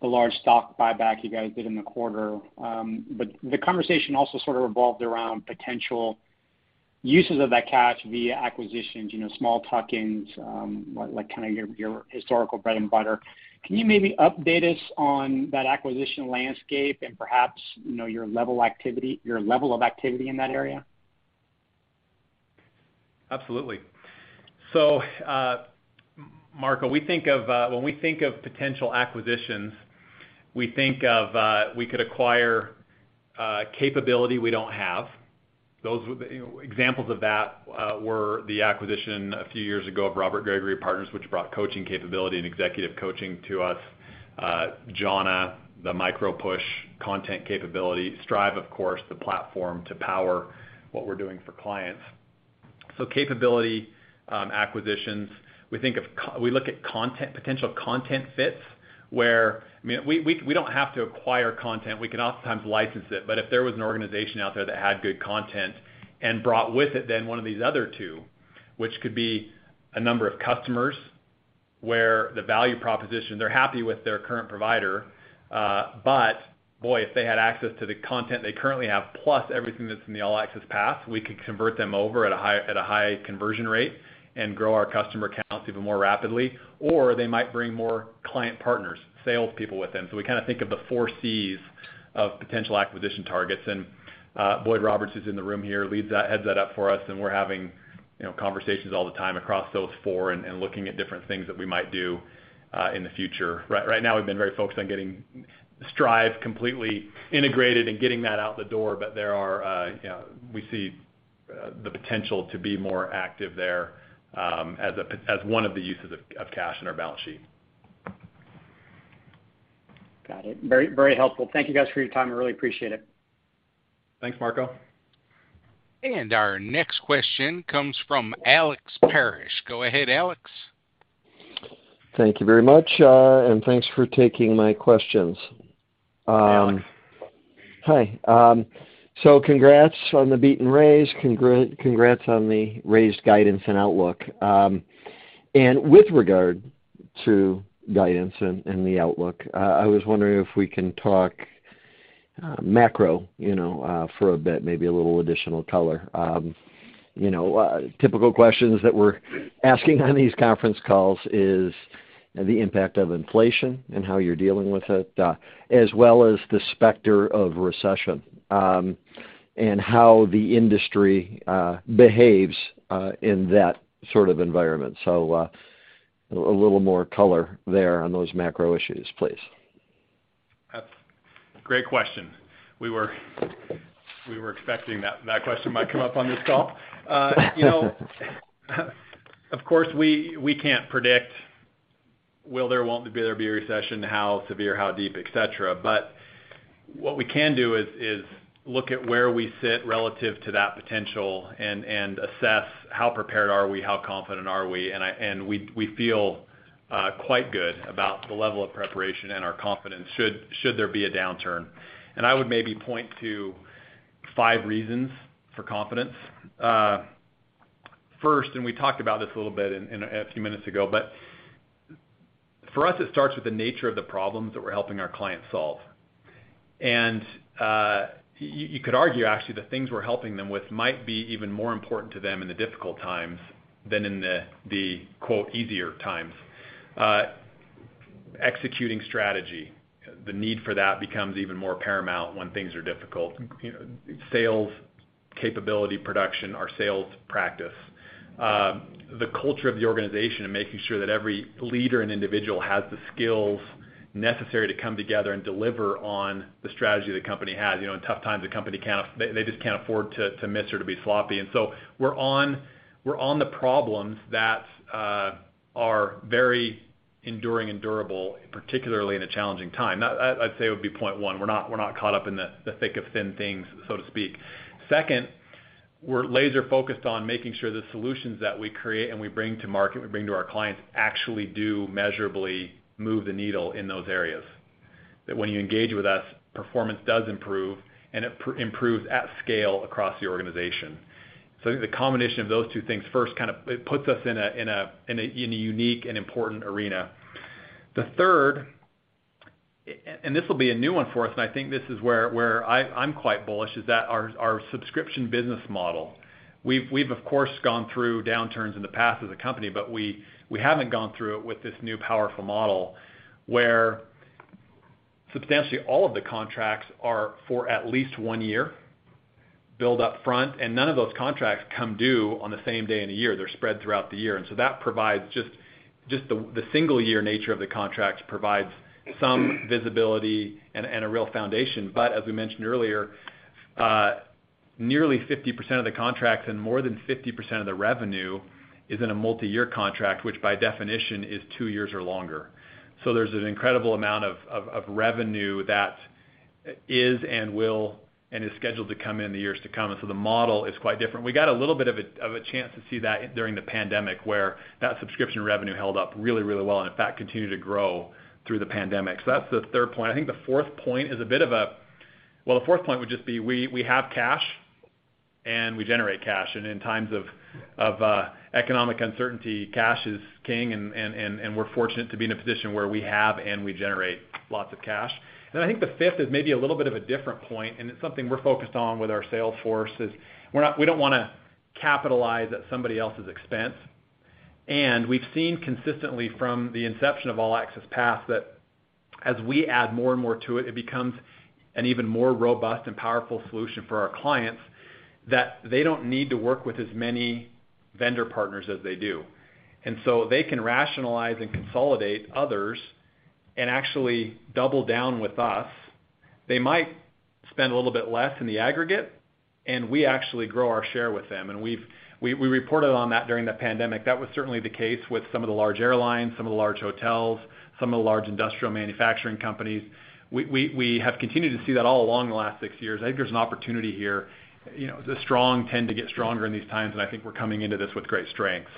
the large stock buyback you guys did in the quarter. The conversation also sort of revolved around potential uses of that cash via acquisitions, you know, small tuck-ins, like kinda your historical bread and butter. Can you maybe update us on that acquisition landscape and perhaps, you know, your level of activity in that area? Absolutely. Marco, we think of when we think of potential acquisitions, we could acquire capability we don't have. Those would be. You know, examples of that were the acquisition a few years ago of Robert Gregory Partners, which brought coaching capability and executive coaching to us. Jhana, the micro-learning content capability. Strive, of course, the platform to power what we're doing for clients. Capability acquisitions. We look at content, potential content fits, where I mean, we don't have to acquire content. We can oftentimes license it. If there was an organization out there that had good content and brought with it then one of these other two, which could be a number of customers, where the value proposition, they're happy with their current provider, but boy, if they had access to the content they currently have, plus everything that's in the All Access Pass, we could convert them over at a high conversion rate and grow our customer counts even more rapidly. They might bring more Client Partners, sales people with them. We kinda think of the four Cs of potential acquisition targets. Boyd Roberts, who's in the room here, leads that, heads that up for us, and we're having, you know, conversations all the time across those four and looking at different things that we might do in the future. Right now we've been very focused on getting Strive completely integrated and getting that out the door. There are, you know, we see the potential to be more active there, as one of the uses of cash in our balance sheet. Got it. Very, very helpful. Thank you guys for your time. I really appreciate it. Thanks, Marco. Our next question comes from Alex Paris. Go ahead, Alex. Thank you very much, and thanks for taking my questions. Hi, Alex. Hi. Congrats on the beat and raise. Congrats on the raised guidance and outlook. With regard to guidance and the outlook, I was wondering if we can talk macro, you know, for a bit, maybe a little additional color. You know, typical questions that we're asking on these conference calls is the impact of inflation and how you're dealing with it, as well as the specter of recession, and how the industry behaves in that sort of environment. A little more color there on those macro issues, please. That's a great question. We were expecting that question might come up on this call. You know, of course, we can't predict whether there will or won't be a recession, how severe, how deep, et cetera. What we can do is look at where we sit relative to that potential and assess how prepared are we, how confident are we. We feel quite good about the level of preparation and our confidence should there be a downturn. I would maybe point to five reasons for confidence. First, we talked about this a little bit, you know, a few minutes ago, but for us, it starts with the nature of the problems that we're helping our clients solve. You could argue actually, the things we're helping them with might be even more important to them in the difficult times than in the quote easier times. Executing strategy, the need for that becomes even more paramount when things are difficult. You know, sales capability, production, our sales practice, the culture of the organization and making sure that every leader and individual has the skills necessary to come together and deliver on the strategy the company has. You know, in tough times, the company just can't afford to miss or to be sloppy. We're on the problems that are very enduring and durable, particularly in a challenging time. That I'd say would be point one. We're not caught up in the thick of thin things, so to speak. Second, we're laser-focused on making sure the solutions that we create and we bring to market, we bring to our clients actually do measurably move the needle in those areas, that when you engage with us, performance does improve and it improves at scale across the organization. I think the combination of those two things, first, it puts us in a unique and important arena. The third, and this will be a new one for us, and I think this is where I'm quite bullish, is that our subscription business model. We've of course gone through downturns in the past as a company, but we haven't gone through it with this new powerful model where substantially all of the contracts are for at least one year billed up front, and none of those contracts come due on the same day in a year. They're spread throughout the year. That provides just the single year nature of the contract provides some visibility and a real foundation. As we mentioned earlier, nearly 50% of the contracts and more than 50% of the revenue is in a multiyear contract, which by definition is two years or longer. There's an incredible amount of revenue that is scheduled to come in the years to come. The model is quite different. We got a little bit of a chance to see that during the pandemic, where that subscription revenue held up really, really well, and in fact, continued to grow through the pandemic. That's the third point. I think the fourth point is a bit of a. Well, the fourth point would just be we have cash, and we generate cash. In times of economic uncertainty, cash is king, and we're fortunate to be in a position where we have and we generate lots of cash. I think the fifth is maybe a little bit of a different point, and it's something we're focused on with our sales force, is we don't wanna capitalize at somebody else's expense. We've seen consistently from the inception of All Access Pass that as we add more and more to it becomes an even more robust and powerful solution for our clients that they don't need to work with as many vendor partners as they do. They can rationalize and consolidate others and actually double down with us. They might spend a little bit less in the aggregate, and we actually grow our share with them. We've reported on that during the pandemic. That was certainly the case with some of the large airlines, some of the large hotels, some of the large industrial manufacturing companies. We have continued to see that all along the last six years. I think there's an opportunity here. You know, the strong tend to get stronger in these times, and I think we're coming into this with great strength.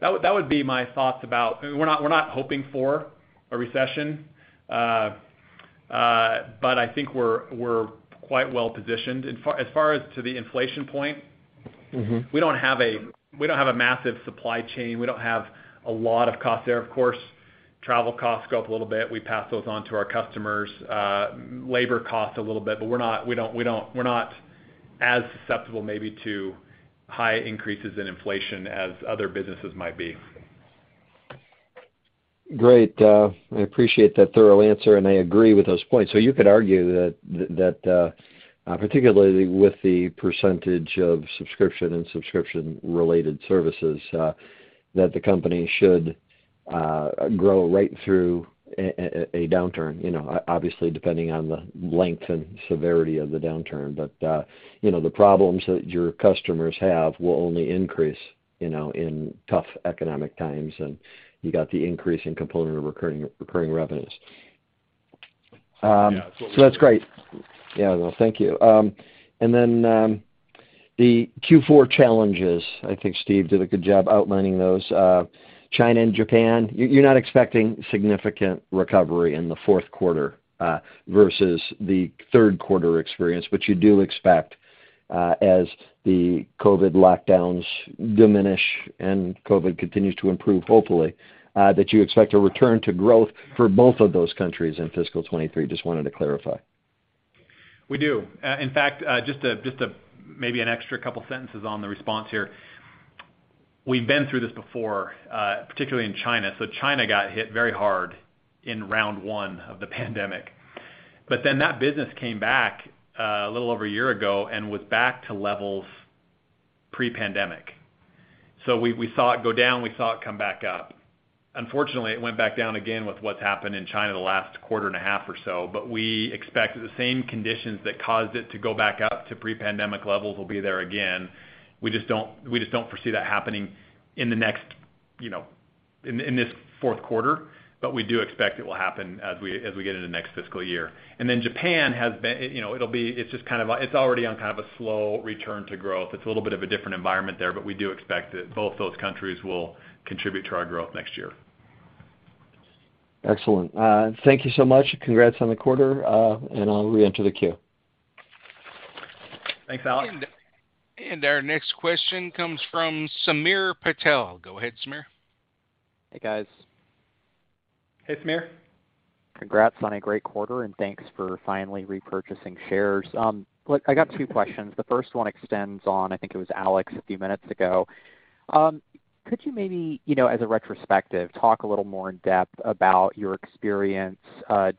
That would be my thoughts about. We're not hoping for a recession. I think we're quite well positioned. As far as to the inflation point. Mm-hmm We don't have a massive supply chain. We don't have a lot of cost there. Of course, travel costs go up a little bit. We pass those on to our customers. Labor cost a little bit, but we're not as susceptible maybe to high increases in inflation as other businesses might be. I appreciate that thorough answer, and I agree with those points. You could argue that particularly with the percentage of subscription and subscription-related services that the company should grow right through a downturn, you know, obviously depending on the length and severity of the downturn. You know, the problems that your customers have will only increase, you know, in tough economic times, and you got the increasing component of recurring revenues. Yeah. That's great. Yeah. Well, thank you. The Q4 challenges, I think Steve did a good job outlining those. China and Japan, you're not expecting significant recovery in the fourth quarter, versus the third quarter experience. You do expect, as the COVID lockdowns diminish and COVID continues to improve, hopefully, that you expect a return to growth for both of those countries in fiscal 2023. Just wanted to clarify. We do. In fact, maybe an extra couple sentences on the response here. We've been through this before, particularly in China. China got hit very hard in round one of the pandemic, but then that business came back a little over a year ago and was back to levels pre-pandemic. We saw it go down, we saw it come back up. Unfortunately, it went back down again with what's happened in China the last quarter and a half or so, but we expect the same conditions that caused it to go back up to pre-pandemic levels will be there again. We just don't foresee that happening in the next, you know, in this fourth quarter, but we do expect it will happen as we get into next fiscal year. Japan has been, you know, it's already on kind of a slow return to growth. It's a little bit of a different environment there, but we do expect that both those countries will contribute to our growth next year. Excellent. Thank you so much. Congrats on the quarter, and I'll reenter the queue. Thanks, Alex. Our next question comes from Sameer Patel. Go ahead, Sameer. Hey, guys. Hey, Sameer. Congrats on a great quarter, and thanks for finally repurchasing shares. Look, I got two questions. The first one extends on, I think it was Alex a few minutes ago. Could you maybe, you know, as a retrospective, talk a little more in depth about your experience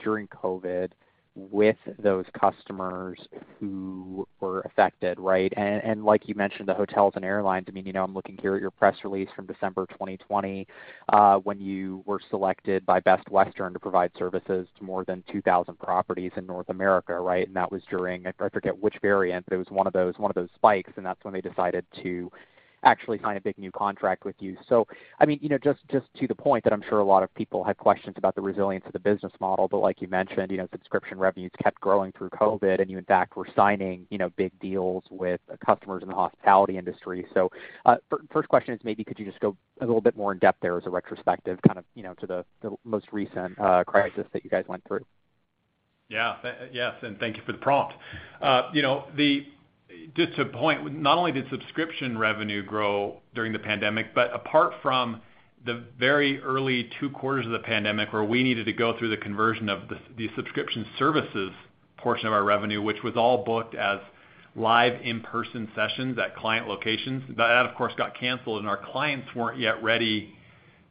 during COVID with those customers who were affected, right? Like you mentioned, the hotels and airlines. I mean, you know, I'm looking here at your press release from December 2020, when you were selected by Best Western to provide services to more than 2,000 properties in North America, right? That was during, I forget which variant, but it was one of those spikes, and that's when they decided to actually sign a big new contract with you. I mean, you know, just to the point that I'm sure a lot of people have questions about the resilience of the business model, but like you mentioned, you know, subscription revenues kept growing through COVID, and you in fact, were signing, you know, big deals with customers in the hospitality industry. First question is maybe could you just go a little bit more in depth there as a retrospective kind of, you know, to the most recent crisis that you guys went through? Yes, thank you for the prompt. You know, just to point, not only did subscription revenue grow during the pandemic, but apart from the very early two quarters of the pandemic where we needed to go through the conversion of the subscription services portion of our revenue, which was all booked as live in-person sessions at client locations. That, of course, got canceled and our clients weren't yet ready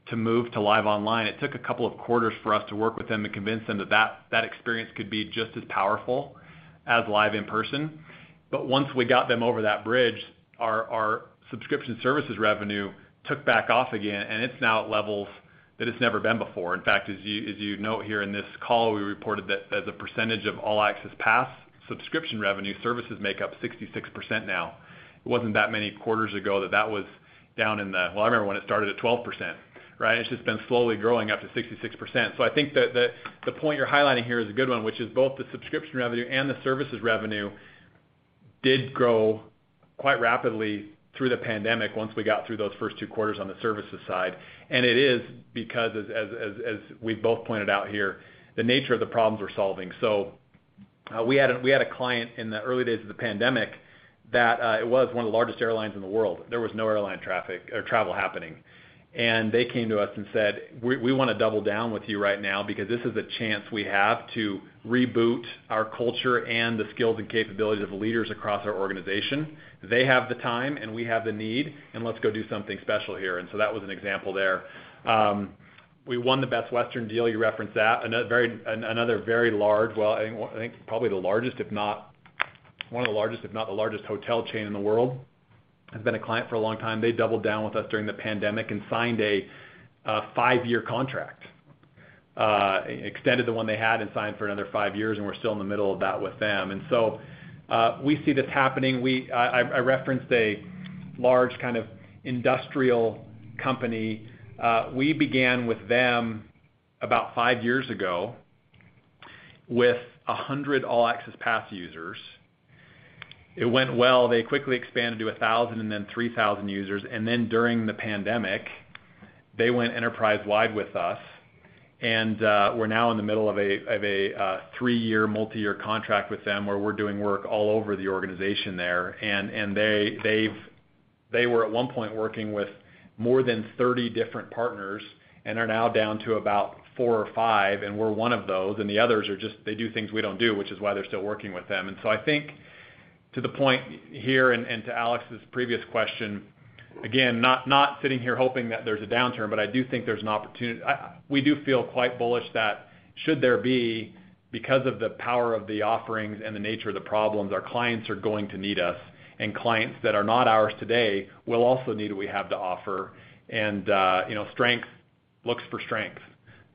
to move to live online. It took a couple of quarters for us to work with them to convince them that experience could be just as powerful as live in-person. Once we got them over that bridge, our subscription services revenue took back off again, and it's now at levels that it's never been before. In fact, as you note here in this call, we reported that as a percentage of All Access Pass subscription revenue, services make up 66% now. It wasn't that many quarters ago that that was. Well, I remember when it started at 12%, right? It's just been slowly growing up to 66%. I think that the point you're highlighting here is a good one, which is both the subscription revenue and the services revenue did grow quite rapidly through the pandemic once we got through those first two quarters on the services side. It is because as we both pointed out here, the nature of the problems we're solving. We had a client in the early days of the pandemic that it was one of the largest airlines in the world. There was no airline traffic or travel happening. They came to us and said, "We wanna double down with you right now because this is a chance we have to reboot our culture and the skills and capabilities of leaders across our organization. They have the time, and we have the need, and let's go do something special here." That was an example there. We won the Best Western deal. You referenced that. Another very large, well, I think probably the largest, if not one of the largest, if not the largest hotel chain in the world, has been a client for a long time. They doubled down with us during the pandemic and signed a five-year contract. Extended the one they had and signed for another five years, and we're still in the middle of that with them. We see this happening. I referenced a large kind of industrial company. We began with them about five years ago with 100 All Access Pass users. It went well. They quickly expanded to 1,000 and then 3,000 users. During the pandemic, they went enterprise-wide with us. We're now in the middle of a three-year multi-year contract with them, where we're doing work all over the organization there. They were at one point working with more than 30 different partners and are now down to about four or five, and we're one of those. The others are just, they do things we don't do, which is why they're still working with them. I think to the point here and to Alex's previous question, again, not sitting here hoping that there's a downturn, but I do think there's an opportunity. We do feel quite bullish that should there be, because of the power of the offerings and the nature of the problems, our clients are going to need us, and clients that are not ours today will also need what we have to offer. You know, strength looks for strength.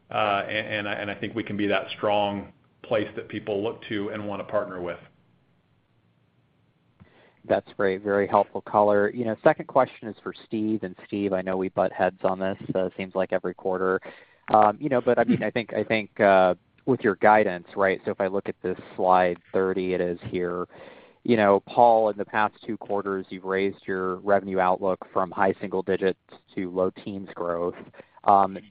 And I think we can be that strong place that people look to and wanna partner with. That's great. Very helpful color. You know, second question is for Steve. Steve, I know we butt heads on this, seems like every quarter. You know, but I mean, I think with your guidance, right? If I look at this slide 30, it is here. You know, Paul, in the past two quarters, you've raised your revenue outlook from high single digits to low teens growth.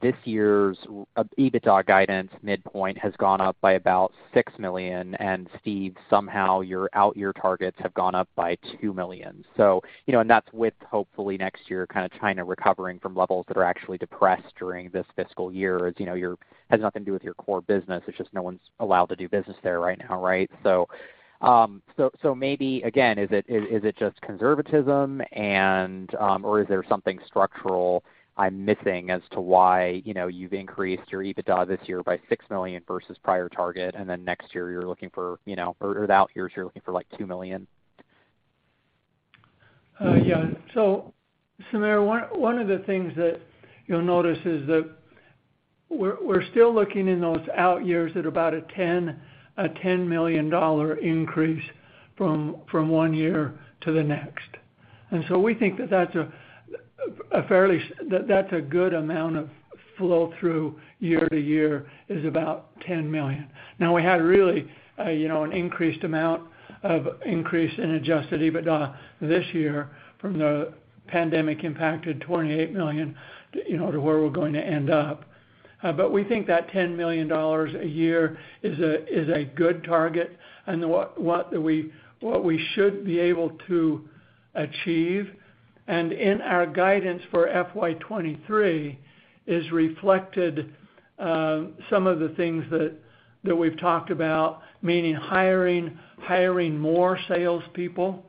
This year's EBITDA guidance midpoint has gone up by about $6 million, and Steve, somehow your out year targets have gone up by $2 million. You know, that's with hopefully next year kinda China recovering from levels that are actually depressed during this fiscal year. As you know, your China has nothing to do with your core business. It's just no one's allowed to do business there right now, right? Maybe again, is it just conservatism and or is there something structural I'm missing as to why, you know, you've increased your EBITDA this year by $6 million versus prior target, and then next year you're looking for, you know, or out years, you're looking for like $2 million? Yeah. Sameer, one of the things that you'll notice is that we're still looking in those out years at about a $10 million increase from one year to the next. We think that that's a good amount of flow through year to year is about $10 million. Now, we had really, you know, an increased amount of increase in adjusted EBITDA this year from the pandemic impacted $28 million, you know, to where we're going to end up. We think that $10 million a year is a good target. what we should be able to achieve, and in our guidance for FY 2023 is reflected, some of the things that we've talked about, meaning hiring more salespeople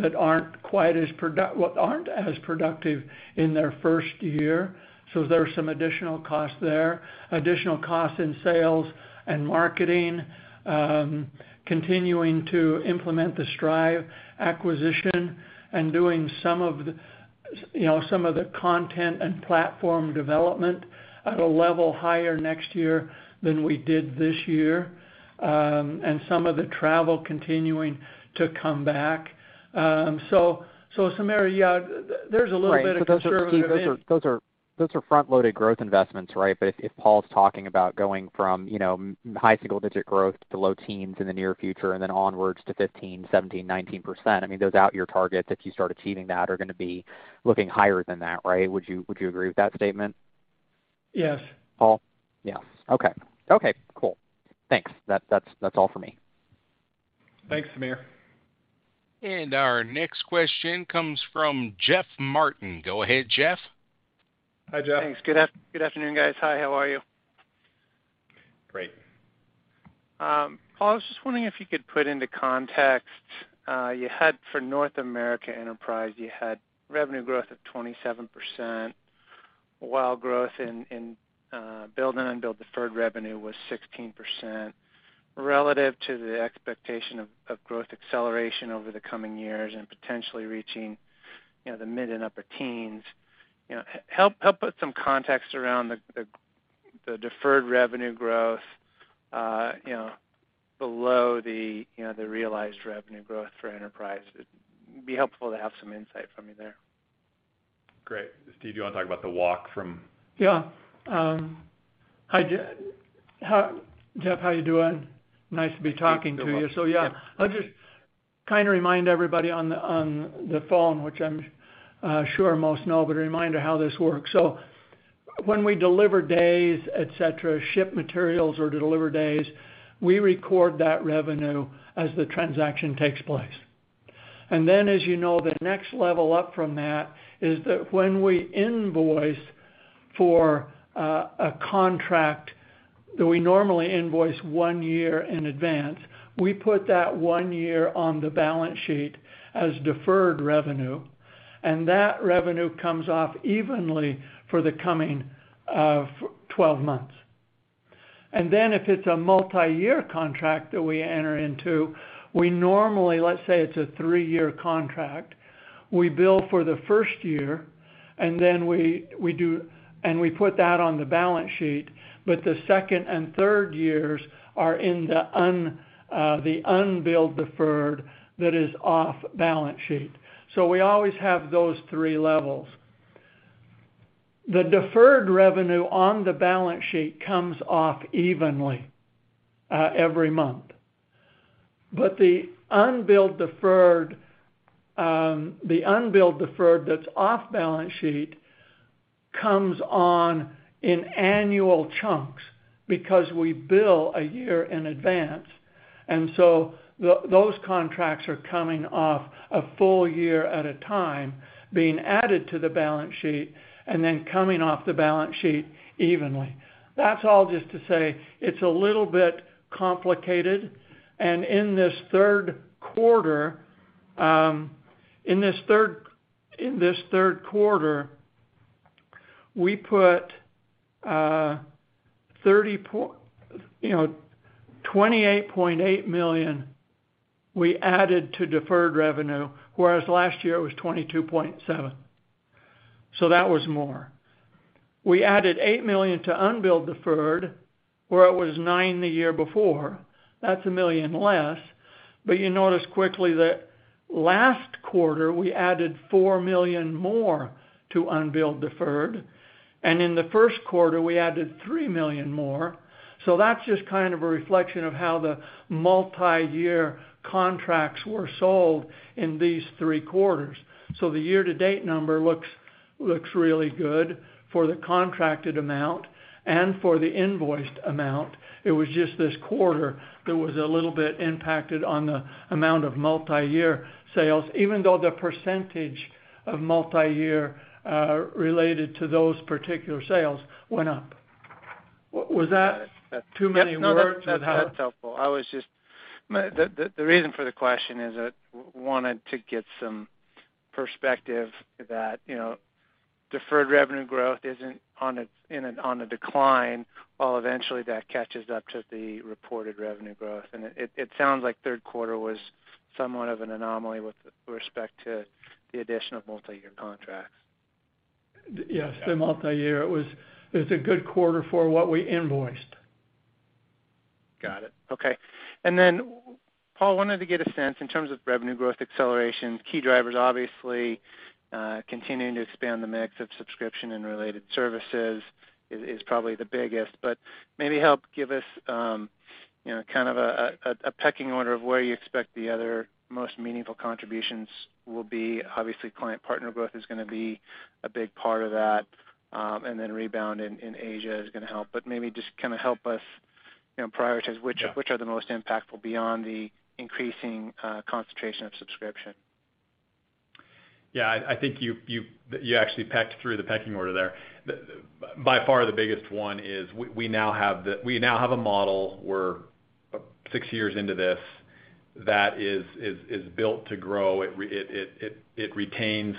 that aren't as productive in their first year. There are some additional costs there, additional costs in sales and marketing, continuing to implement the Strive acquisition and doing some of the, you know, some of the content and platform development at a level higher next year than we did this year, and some of the travel continuing to come back. Sameer, yeah, there's a little bit of conservative in- Right. Those are, Steve, front-loaded growth investments, right? But if Paul's talking about going from, you know, high single digit growth to low teens in the near future and then onwards to 15%, 17%, 19%, I mean, those out year targets, if you start achieving that, are gonna be looking higher than that, right? Would you agree with that statement? Yes. Paul? Yeah. Okay. Okay, cool. Thanks. That's all for me. Thanks, Sameer. Our next question comes from Jeff Martin. Go ahead, Jeff. Hi, Jeff. Thanks. Good afternoon, guys. Hi, how are you? Great. Paul, I was just wondering if you could put into context, you had for North America Enterprise, you had revenue growth of 27%, while growth in billed and unbilled deferred revenue was 16% relative to the expectation of growth acceleration over the coming years and potentially reaching, you know, the mid- and upper teens. You know, help put some context around the deferred revenue growth, you know, below the realized revenue growth for Enterprise. It'd be helpful to have some insight from you there. Great. Steve, do you wanna talk about the walk from Yeah. Hi, Jeff, how you doing? Nice to be talking to you. I'll just kind of remind everybody on the phone, which I'm sure most know, but a reminder how this works. When we deliver days, et cetera, ship materials or deliver days, we record that revenue as the transaction takes place. As you know, the next level up from that is that when we invoice for a contract that we normally invoice one year in advance, we put that one year on the balance sheet as deferred revenue, and that revenue comes off evenly for the coming 12 months. If it's a multiyear contract that we enter into, we normally, let's say it's a three-year contract, we bill for the first year, and then we put that on the balance sheet, but the second and third years are in the unbilled deferred that is off balance sheet. We always have those three levels. The deferred revenue on the balance sheet comes off evenly every month. But the unbilled deferred that's off balance sheet comes on in annual chunks because we bill a year in advance. Those contracts are coming off a full year at a time being added to the balance sheet and then coming off the balance sheet evenly. That's all just to say it's a little bit complicated. In this third quarter, you know, $28.8 million we added to deferred revenue, whereas last year it was $22.7. That was more. We added $8 million to unbilled deferred, where it was $9 the year before. That's $1 million less. You notice quickly that last quarter, we added $4 million more to unbilled deferred. In the first quarter, we added $3 million more. That's just kind of a reflection of how the multiyear contracts were sold in these three quarters. The year to date number looks really good for the contracted amount and for the invoiced amount. It was just this quarter that was a little bit impacted on the amount of multiyear sales, even though the percentage of multiyear related to those particular sales went up. Was that too many words? No, that's helpful. The reason for the question is that I wanted to get some perspective that, you know, deferred revenue growth isn't on a decline while eventually that catches up to the reported revenue growth. It sounds like third quarter was somewhat of an anomaly with respect to the addition of multiyear contracts. Yes, the multi-year, it's a good quarter for what we invoiced. Got it. Okay. Paul wanted to get a sense in terms of revenue growth acceleration, key drivers obviously, continuing to expand the mix of subscription and related services is probably the biggest. Maybe help give us you know kind of a pecking order of where you expect the other most meaningful contributions will be. Obviously, Client Partner growth is gonna be a big part of that, and then rebound in Asia is gonna help. Maybe just kinda help us you know prioritize which. Yeah. Which are the most impactful beyond the increasing concentration of subscription? I think you that you actually pecked through the pecking order there. By far the biggest one is we now have a model, we're six years into this, that is built to grow. It retains.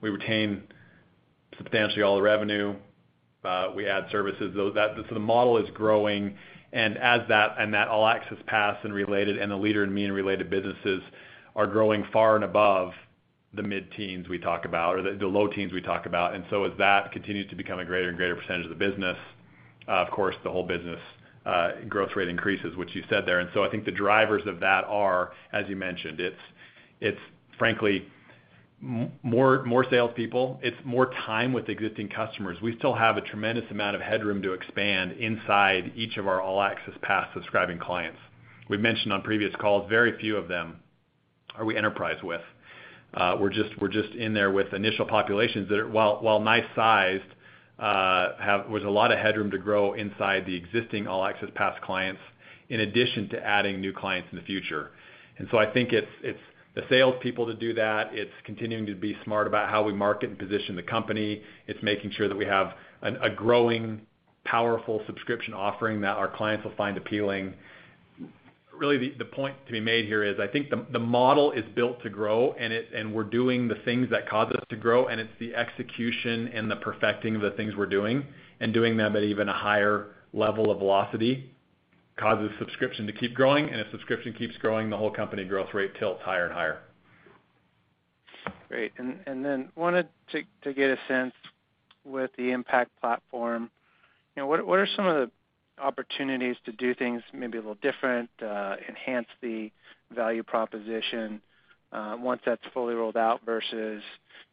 We retain substantially all the revenue. We add services. The model is growing, and as that, and that All Access Pass and related, and the Leader in Me and related businesses are growing far and above the mid-teens we talk about or the low teens we talk about. As that continues to become a greater and greater percentage of the business, of course, the whole business growth rate increases, which you said there. I think the drivers of that are, as you mentioned, it's frankly more salespeople. It's more time with existing customers. We still have a tremendous amount of headroom to expand inside each of our All Access Pass subscribing clients. We've mentioned on previous calls, very few of them are we enterprise with. We're just in there with initial populations that are, while nice sized, have with a lot of headroom to grow inside the existing All Access Pass clients, in addition to adding new clients in the future. I think it's the salespeople to do that. It's continuing to be smart about how we market and position the company. It's making sure that we have a growing, powerful subscription offering that our clients will find appealing. Really, the point to be made here is, I think the model is built to grow, and we're doing the things that cause us to grow, and it's the execution and the perfecting of the things we're doing and doing them at even a higher level of velocity, causes subscription to keep growing. If subscription keeps growing, the whole company growth rate tilts higher and higher. Great. Then wanted to get a sense with the Impact Platform, you know, what are some of the opportunities to do things maybe a little different, enhance the value proposition, once that's fully rolled out versus,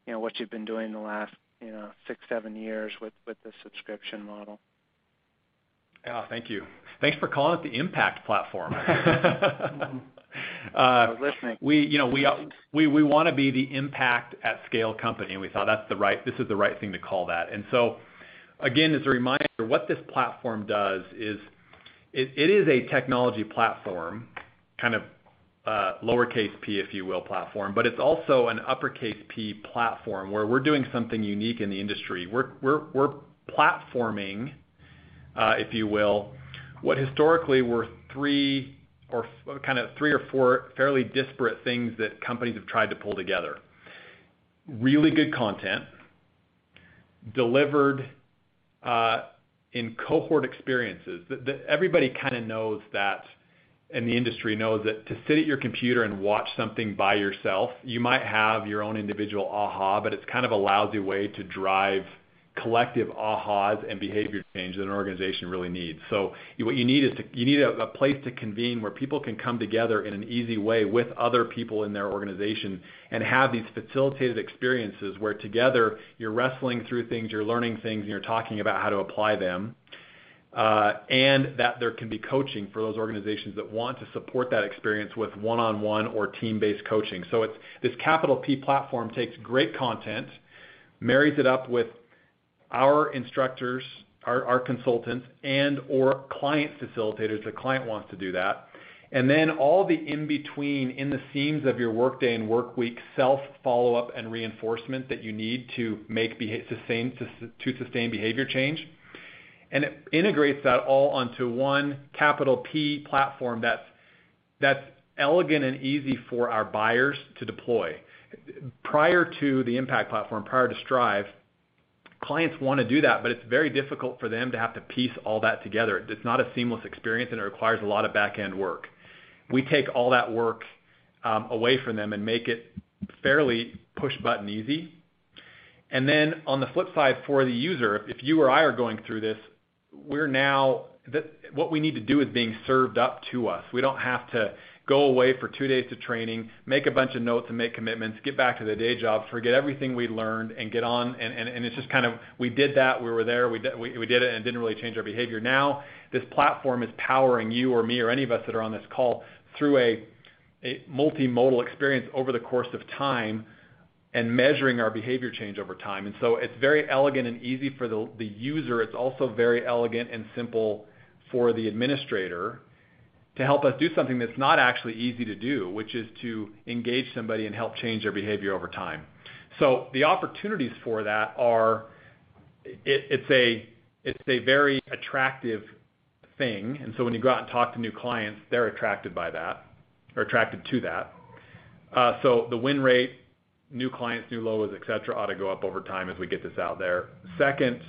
you know, what you've been doing the last, you know, six to seven years with the subscription model? Yeah. Thank you. Thanks for calling it the Impact Platform. I was listening. You know, we wanna be the impact at scale company, and we thought this is the right thing to call that. Again, as a reminder, what this platform does is it is a technology platform, kind of, lowercase P, if you will, platform. It's also an uppercase P platform, where we're doing something unique in the industry. We're platforming, if you will, what historically were three or four fairly disparate things that companies have tried to pull together. Really good content delivered in cohort experiences. Everybody kinda knows that, and the industry knows that to sit at your computer and watch something by yourself, you might have your own individual aha, but it's kind of a lousy way to drive collective ahas and behavior change that an organization really needs. What you need is a place to convene where people can come together in an easy way with other people in their organization and have these facilitated experiences where together you're wrestling through things, you're learning things, and you're talking about how to apply them. That there can be coaching for those organizations that want to support that experience with one-on-one or team-based coaching. It's this capital P platform takes great content, marries it up with our instructors, our consultants, and/or client facilitators if the client wants to do that. All the in-between, in the seams of your workday and work week self-follow-up and reinforcement that you need to sustain behavior change. It integrates that all onto one capital P platform that's elegant and easy for our buyers to deploy. Prior to the Impact Platform, prior to Strive, clients wanna do that, but it's very difficult for them to have to piece all that together. It's not a seamless experience, and it requires a lot of back-end work. We take all that work away from them and make it fairly push-button easy. On the flip side, for the user, if you or I are going through this, we're now what we need to do is being served up to us. We don't have to go away for two days to training, make a bunch of notes, and make commitments, get back to the day jobs, forget everything we learned and get on. It's just kind of we did that, we were there, we did it and didn't really change our behavior. Now, this platform is powering you or me or any of us that are on this call through a multimodal experience over the course of time and measuring our behavior change over time. It's very elegant and easy for the user. It's also very elegant and simple for the administrator to help us do something that's not actually easy to do, which is to engage somebody and help change their behavior over time. The opportunities for that are. It's a very attractive thing. When you go out and talk to new clients, they're attracted by that or attracted to that. The win rate, new clients, new logos, et cetera, ought to go up over time as we get this out there. Second,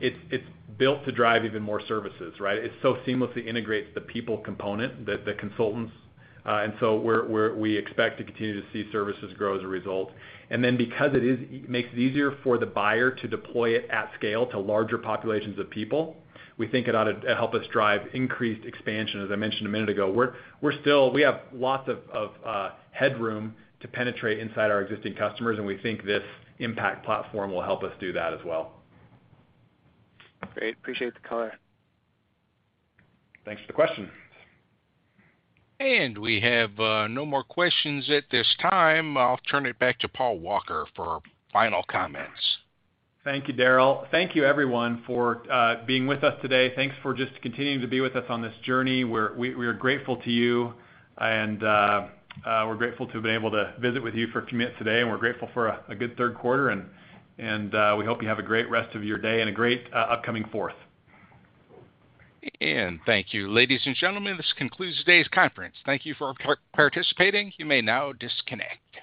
it's built to drive even more services, right? It so seamlessly integrates the people component, the consultants, we expect to continue to see services grow as a result. Because it makes it easier for the buyer to deploy it at scale to larger populations of people, we think it ought to help us drive increased expansion. As I mentioned a minute ago, we have lots of headroom to penetrate inside our existing customers, and we think this Impact Platform will help us do that as well. Great. Appreciate the color. Thanks for the question. We have no more questions at this time. I'll turn it back to Paul Walker for final comments. Thank you, Daryl. Thank you everyone for being with us today. Thanks for just continuing to be with us on this journey. We are grateful to you and we're grateful to have been able to visit with you for a few minutes today. We're grateful for a good third quarter and we hope you have a great rest of your day and a great upcoming fourth. Thank you. Ladies and gentlemen, this concludes today's conference. Thank you for participating. You may now disconnect.